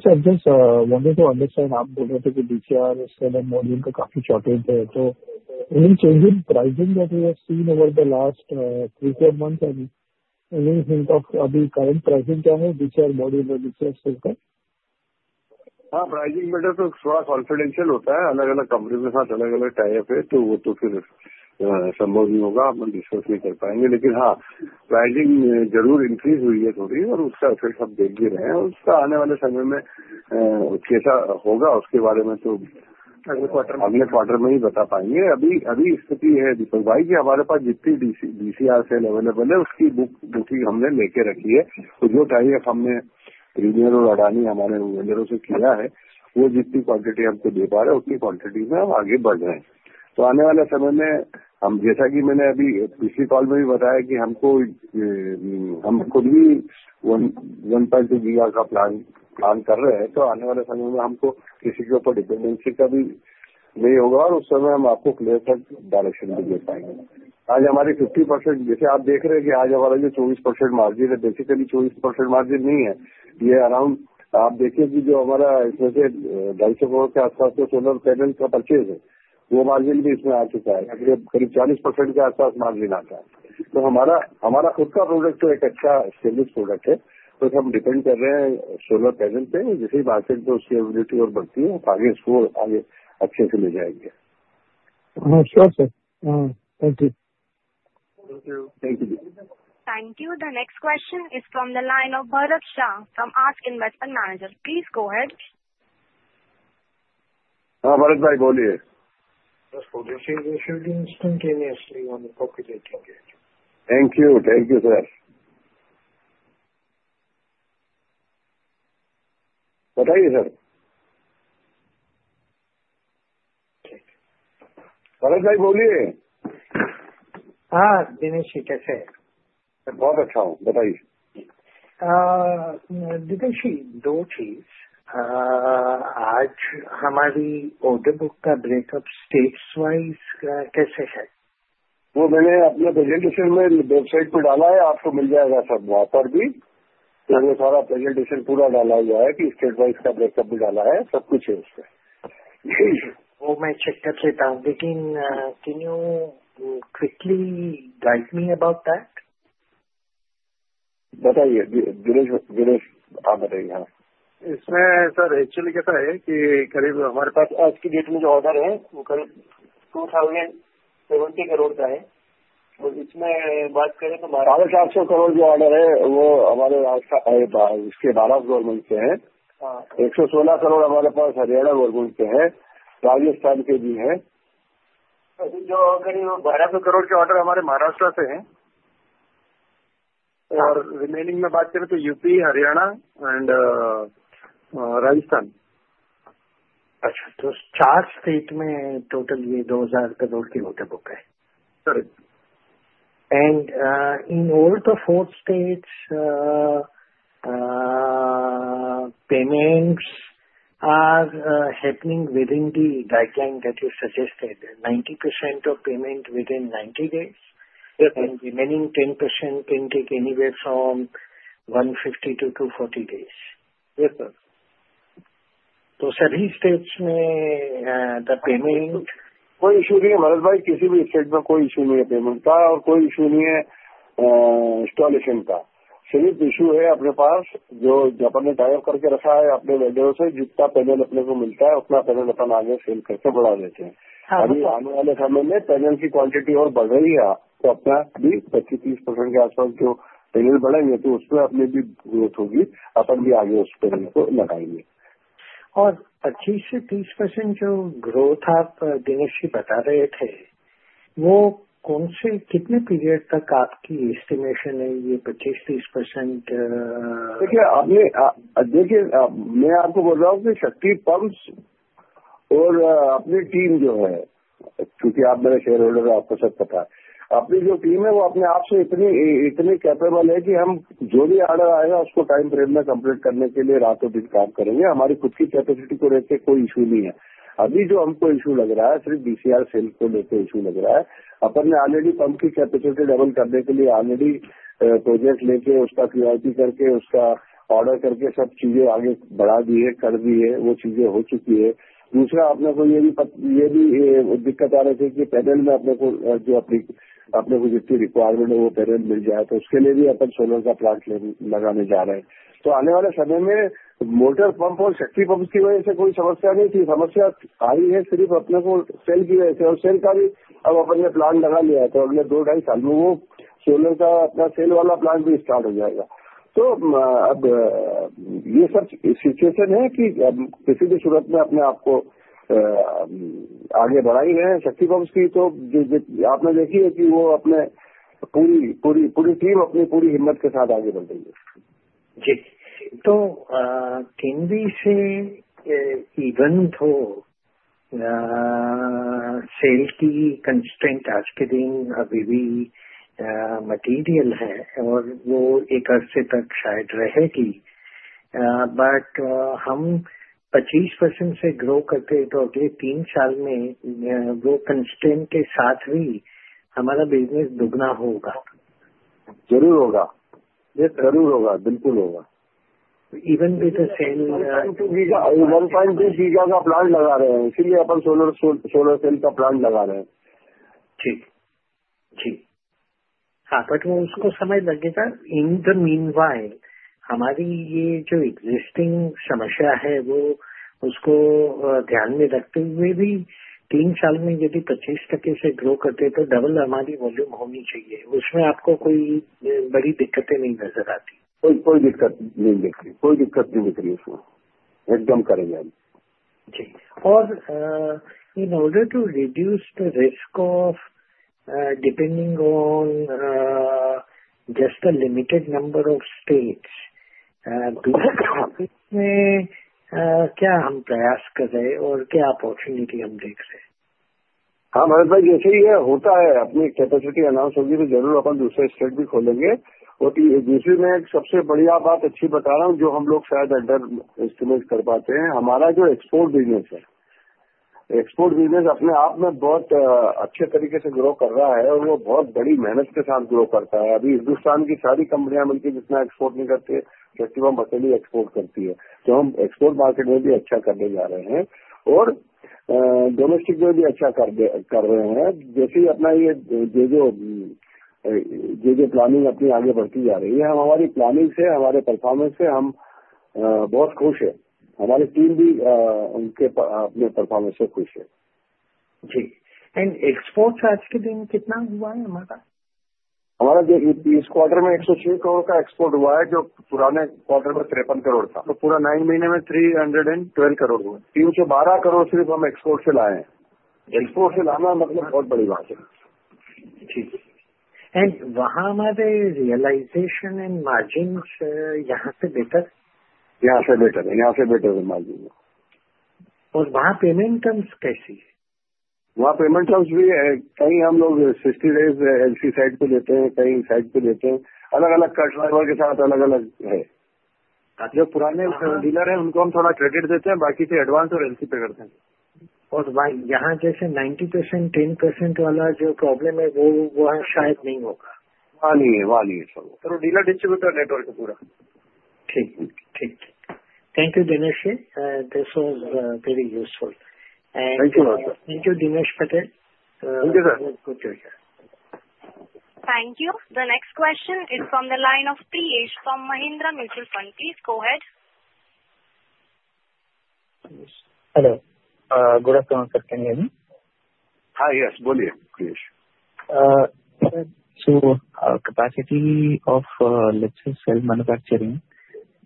bottle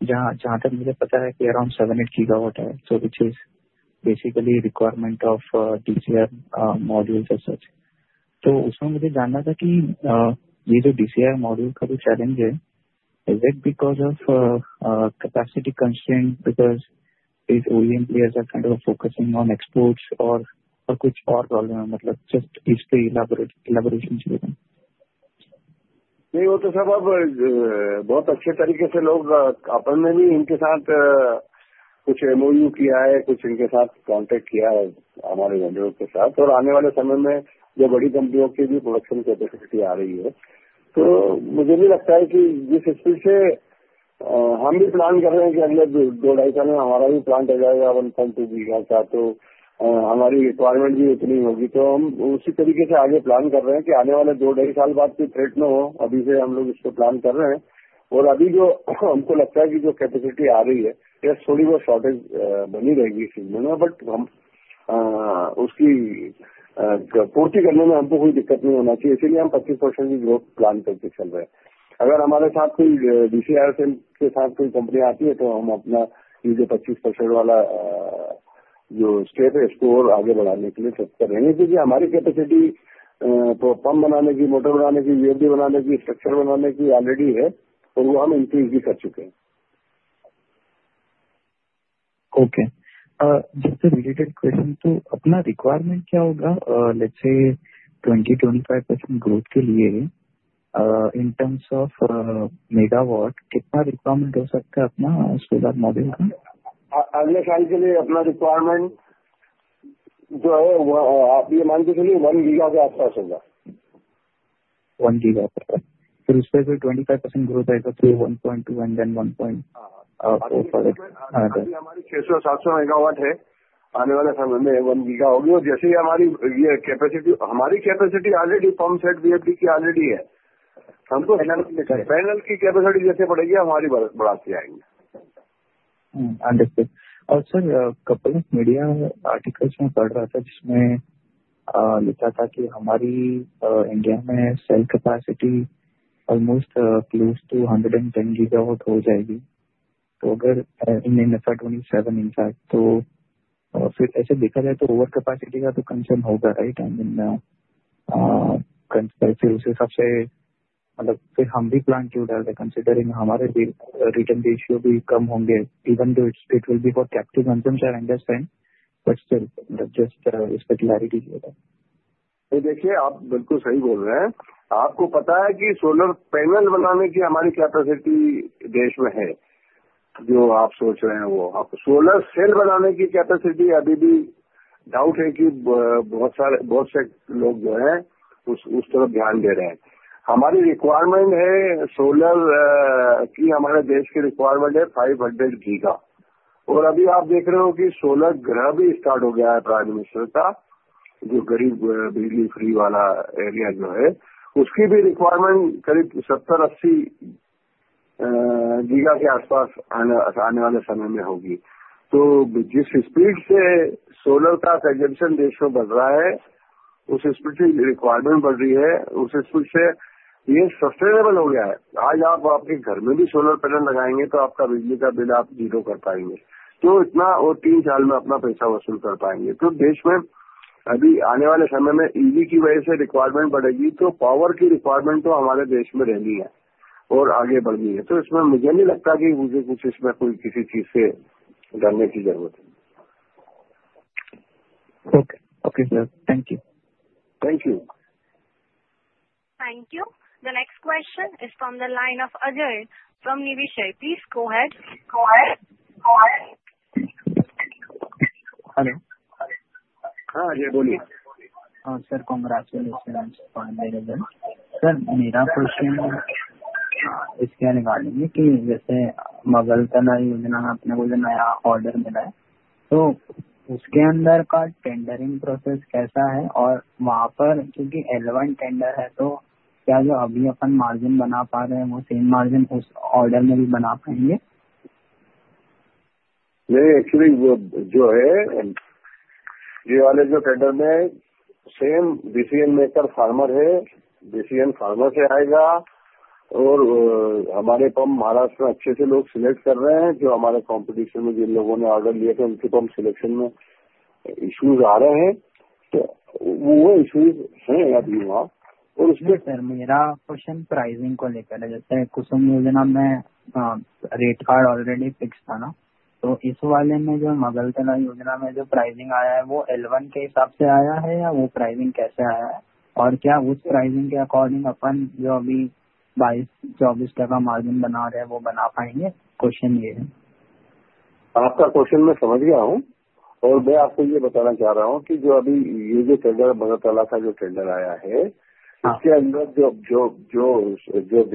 neck close करना पड़ता है। तो वो तो क्या जो अभी हम मार्जिन बना पा रहे हैं, वो same मार्जिन उस ऑर्डर में भी बना पाएंगे? नहीं, actually जो है, ये वाले जो टेंडर में same decision maker farmer है, decision farmer से आएगा। और हमारे pump महाराष्ट्र में अच्छे से लोग select कर रहे हैं, जो हमारे competition में जिन लोगों ने ऑर्डर लिया था, उनके pump selection में issues आ रहे हैं। तो वो issues हैं अभी वहां। और उसमें, सर, मेरा question pricing को लेकर है। जैसे कुसुम योजना में rate card already fix था ना? तो इस वाले में जो मुख्यमंत्री योजना में जो pricing आया है, वो L1 के हिसाब से आया है या वो pricing कैसे आया है? और क्या उस pricing के according हम जो अभी 22-24% का मार्जिन बना रहे हैं, वो बना पाएंगे? क्वेश्चन ये है। आपका क्वेश्चन मैं समझ गया हूं। और मैं आपको ये बताना चाह रहा हूं कि जो अभी ये जो टेंडर मगलतला का जो टेंडर आया है, उसके अंदर जो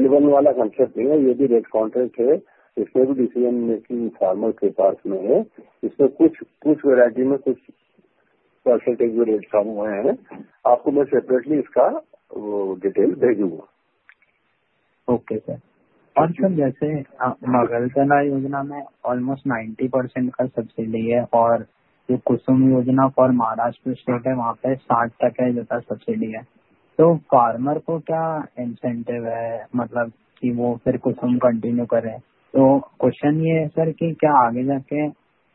L1 वाला कांसेप्ट नहीं है, ये भी रेट कांटेस्ट है। इसमें भी डिसीजन मेकिंग फार्मर के पास में है। इसमें कुछ वैरायटी में कुछ परसेंटेज में रेट कम हुए हैं। आपको मैं सेपरेटली इसका वो डिटेल भेजूंगा। Okay, sir. और सर, जैसे मगलतना योजना में ऑलमोस्ट 90% का सब्सिडी है और जो कुसुम योजना फॉर महाराष्ट्र स्टेट है, वहां पे 60% का सब्सिडी है। तो फार्मर को क्या इंसेंटिव है, मतलब कि वो फिर कुसुम कंटिन्यू करें? तो क्वेश्चन ये है, सर, कि क्या आगे जाके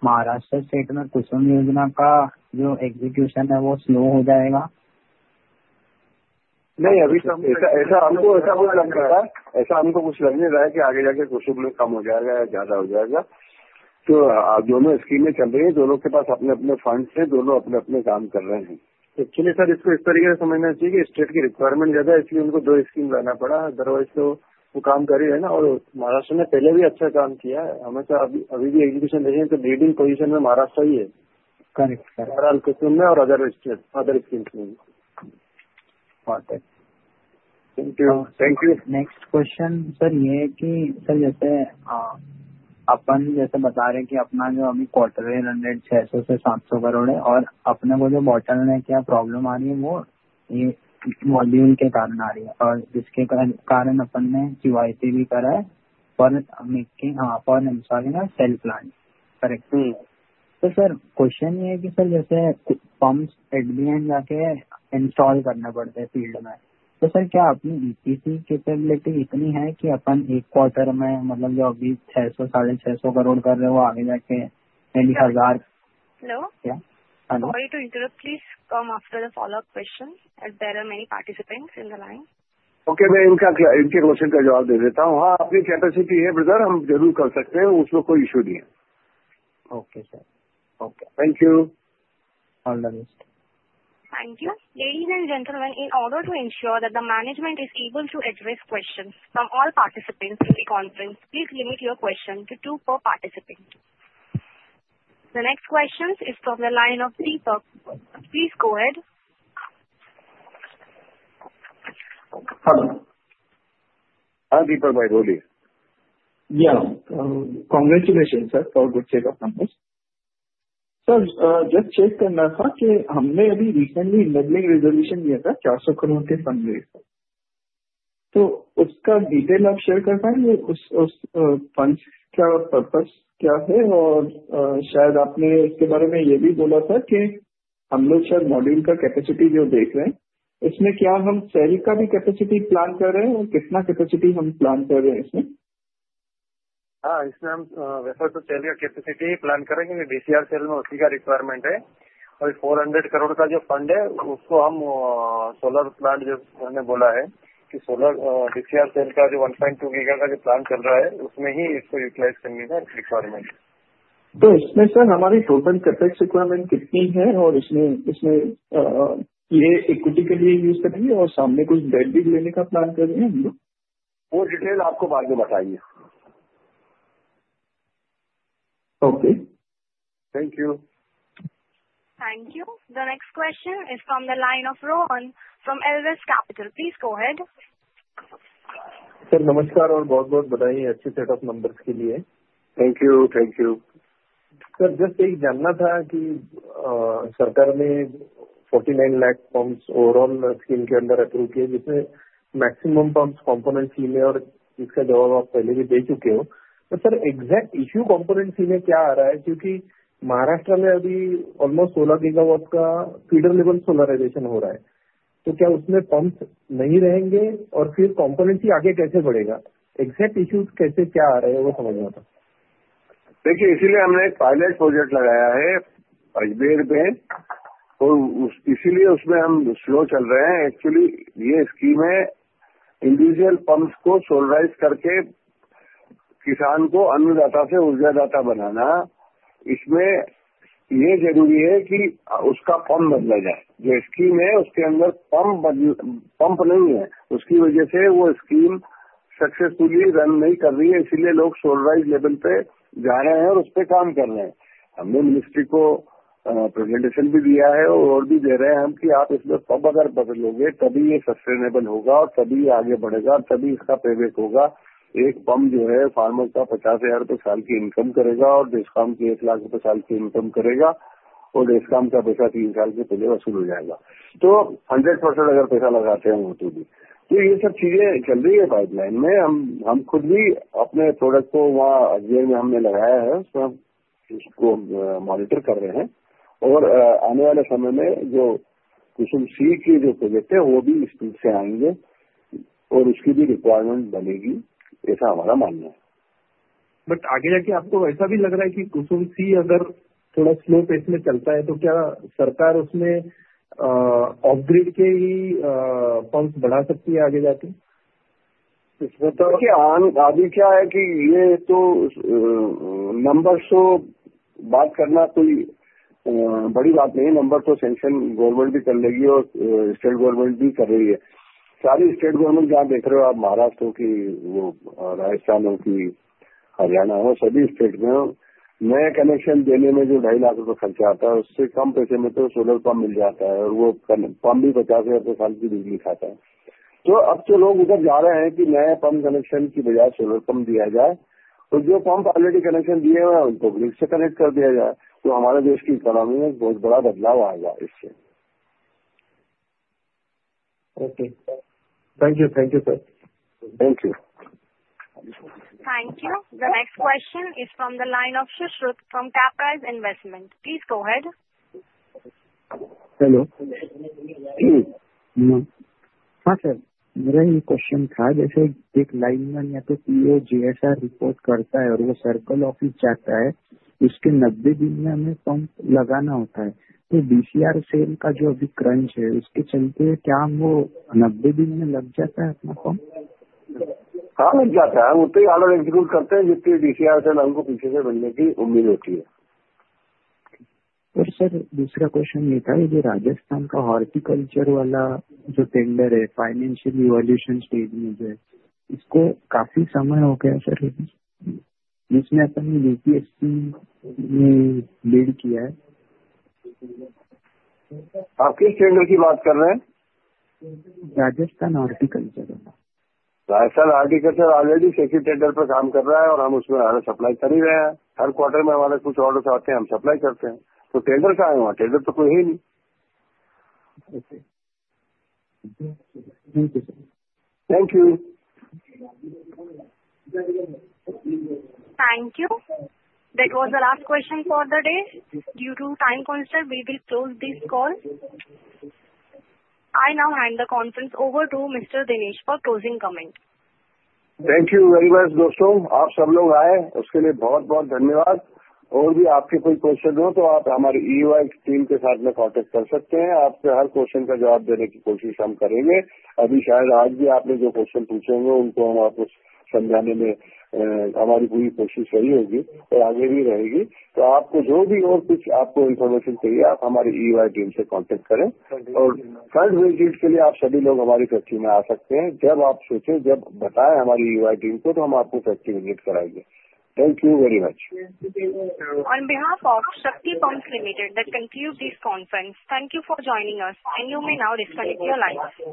महाराष्ट्र स्टेट में कुसुम योजना का जो एग्जीक्यूशन है, वो स्लो हो जाएगा? नहीं, अभी तो हमको ऐसा कुछ लग नहीं रहा है। हमको कुछ लग नहीं रहा है कि आगे जाकर कुसुम में कम हो जाएगा या ज्यादा हो जाएगा। तो जो स्कीमें चल रही हैं, दोनों के पास अपने-अपने फंड्स हैं, दोनों अपने-अपने काम कर रहे हैं। Actually, सर, इसको इस तरीके से समझना चाहिए कि स्टेट की requirement ज्यादा है, इसलिए उनको दो स्कीम लाना पड़ा। Otherwise तो वो काम कर ही रहे हैं ना? और महाराष्ट्र ने पहले भी अच्छा काम किया है। हमेशा अभी भी execution देखें तो leading position में महाराष्ट्र ही है। Correct, correct। बहरहाल, KUSUM में और other states other schemes में। Got it। Thank you। Thank you। Next question, sir, ये है कि sir, जैसे आप जैसे बता रहे हैं कि आपका जो अभी quarterly run rate ₹600 से ₹700 करोड़ है और आपको जो bottleneck क्या problem आ रही है, वो ये volume के कारण आ रही है। और जिसके कारण आपने QIC भी कराया है for making for employ cell plant। Correct। तो sir, question ये है कि sir, जैसे pumps at the end जाकर install करने पड़ते हैं field में। तो sir, क्या आपकी EPC capability इतनी है कि आप एक quarter में, मतलब जो अभी ₹600-650 करोड़ कर रहे हैं, वो आगे जाकर यानी ₹1000। Hello। क्या hello? Sorry to interrupt, please come after the follow-up question. There are many participants in the line. Okay, मैं इनका इनके question का जवाब दे देता हूं। हां, अपनी capacity है, brother, हम जरूर कर सकते हैं। उसमें कोई issue नहीं है। Okay, sir. Okay, thank you. All the best. Thank you. Ladies and gentlemen, in order to ensure that the management is able to address questions from all participants in the conference, please limit your question to two per participant. The next question is from the line of Deepak. Please go ahead. हां, Deepak भाई, बोलिए। हां, congratulations, sir, for good components ही में। और इसका जवाब आप पहले भी दे चुके हो। तो सर, एग्जैक्ट इशू कॉम्पोनेंट्स ही में क्या आ रहा है? क्योंकि महाराष्ट्र में अभी ऑलमोस्ट 16 गीगावाट का फीडर लेवल सोलराइज़ेशन हो रहा है। तो क्या उसमें पंप्स नहीं रहेंगे? और फिर कॉम्पोनेंट्स ही आगे कैसे बढ़ेगा? एग्जैक्ट इशूज कैसे क्या आ रहे हैं, वो समझना था। देखिए, इसीलिए हमने एक पायलट प्रोजेक्ट लगाया है अजमेर में। उसीलिए उसमें हम स्लो चल रहे हैं। एक्चुअली, ये स्कीम है इंडिविजुअल पम्स को सोलराइज करके किसान को अन्नदाता से ऊर्जादाता बनाना। इसमें ये जरूरी है कि उसका पंप बदला जाए। जो स्कीम है, उसके अंदर पंप बदलना नहीं है। उसकी वजह से वो स्कीम सक्सेसफुली रन नहीं कर रही है। इसीलिए लोग सोलराइज लेवल पे जा रहे हैं और उस पे काम कर रहे हैं। हमने मिनिस्ट्री को प्रेजेंटेशन भी दिया है और दे रहे हैं हम कि आप इसमें पंप अगर बदलोगे, तभी ये सस्टेनेबल होगा और तभी ये आगे बढ़ेगा। तभी इसका पेबैक होगा। एक पंप जो है, फार्मर का ₹50,000 साल की इनकम करेगा और डेस्कॉम की ₹1 लाख साल की इनकम करेगा। डेस्कॉम का पैसा 3 साल के पहले वसूल हो जाएगा। तो 100% अगर पैसा लगाते हैं वो तो भी। तो ये सब चीजें चल रही हैं पाइपलाइन में। हम खुद भी अपने प्रोडक्ट को वहां अजमेर में हमने लगाया है। उसमें हम उसको मॉनिटर कर रहे हैं और आने वाले समय में जो कुसुम सी के जो प्रोजेक्ट हैं, वो भी स्पीड से आएंगे और उसकी भी रिक्वायरमेंट बनेगी। ऐसा हमारा मानना है। आगे जाके आपको ऐसा भी लग रहा है कि कुसुम सी अगर थोड़ा स्लो पेस में चलता है, तो क्या सरकार उसमें ऑफग्रिड के ही पम्स बढ़ा सकती है आगे जाके? इसमें तो देखिए, अभी क्या है कि ये तो नंबर्स तो बात करना कोई बड़ी बात नहीं है। नंबर तो सेंट्रल गवर्नमेंट भी कर लेगी और स्टेट गवर्नमेंट भी कर रही है। सारी स्टेट गवर्नमेंट जहां देख रहे हो, आप महाराष्ट्र की, वो राजस्थान हो, कि हरियाणा हो, सभी स्टेट में नए कनेक्शन देने में जो ₹2.5 लाख रुपए खर्चा आता है, उससे कम पैसे में तो सोलर पंप मिल जाता है। और वो पंप भी ₹50,000 साल की बिजली खाता है। तो अब तो लोग उधर जा रहे हैं कि नए पंप कनेक्शन की बजाय सोलर पंप दिया जाए। और जो पंप ऑलरेडी कनेक्शन दिए हुए हैं, उनको ग्रिड से कनेक्ट कर दिया जाए। तो हमारे देश की इकॉनमी में बहुत बड़ा बदलाव आएगा इससे। Okay, sir. Thank you, thank you, sir. Thank you. Thank you. The next question is from the line of Sushrut from Caprize investment. Please go ahead. Hello. हां, सर, मेरा ये क्वेश्चन था जैसे एक लाइन में या तो पीओ जेएसआर रिपोर्ट करता है और वो सर्कल ऑफिस जाता है, उसके 90 दिन में हमें पंप लगाना होता है। तो डीसीआर सेल का जो अभी क्रंच है, उसके चलते क्या वो 90 दिन में लग जाता है अपना पंप? हां, लग जाता है। वो तो ये ऑलरेडी एग्जीक्यूट करते हैं, जिससे डीसीआर सेल हमको पीछे से मिलने की उम्मीद होती है। सर, दूसरा क्वेश्चन ये था कि जो राजस्थान का हॉर्टिकल्चर वाला जो टेंडर है, फाइनेंशियल इवोल्यूशन स्टेज में जो है, इसको काफी समय हो गया, सर, जिसमें अपन ने बीपीएससी ने बिल्ड किया है। आप किस टेंडर की बात कर रहे हैं? Rajasthan horticulture. Rajasthan horticulture already second tender पे काम कर रहा है और हम उसमें सप्लाई कर ही रहे हैं। हर क्वार्टर में हमारे कुछ ऑर्डर्स आते हैं, हम सप्लाई करते हैं। तो टेंडर कहां है? वहां टेंडर तो कोई है ही नहीं। Okay, thank you, sir. Thank you. Thank you. That was the last question for the day. Due to time constraint, we will close this call. I now hand the conference over to mister Dinesh for closing comments. Thank you very much, दोस्तों। आप सब लोग आए, उसके लिए बहुत-बहुत धन्यवाद। और भी आपके कोई क्वेश्चन हों, तो आप हमारी ईवाई टीम के साथ में कांटेक्ट कर सकते हैं। आपके हर क्वेश्चन का जवाब देने की कोशिश हम करेंगे। अभी शायद आज भी आपने जो क्वेश्चन पूछे होंगे, उनको हम आपको समझाने में हमारी पूरी कोशिश रही होगी और आगे भी रहेगी। तो आपको जो भी और कुछ आपको इंफॉर्मेशन चाहिए, आप हमारी ईवाई टीम से कांटेक्ट करें। और प्लांट विजिट के लिए आप सभी लोग हमारी फैक्ट्री में आ सकते हैं। जब आप सोचें, जब बताएं हमारी ईवाई टीम को, तो हम आपको फैक्ट्री विजिट कराएंगे। Thank you very much. On behalf of Shakti pumps limited, that concludes this conference. Thank you for joining us, and you may now disconnect your lines.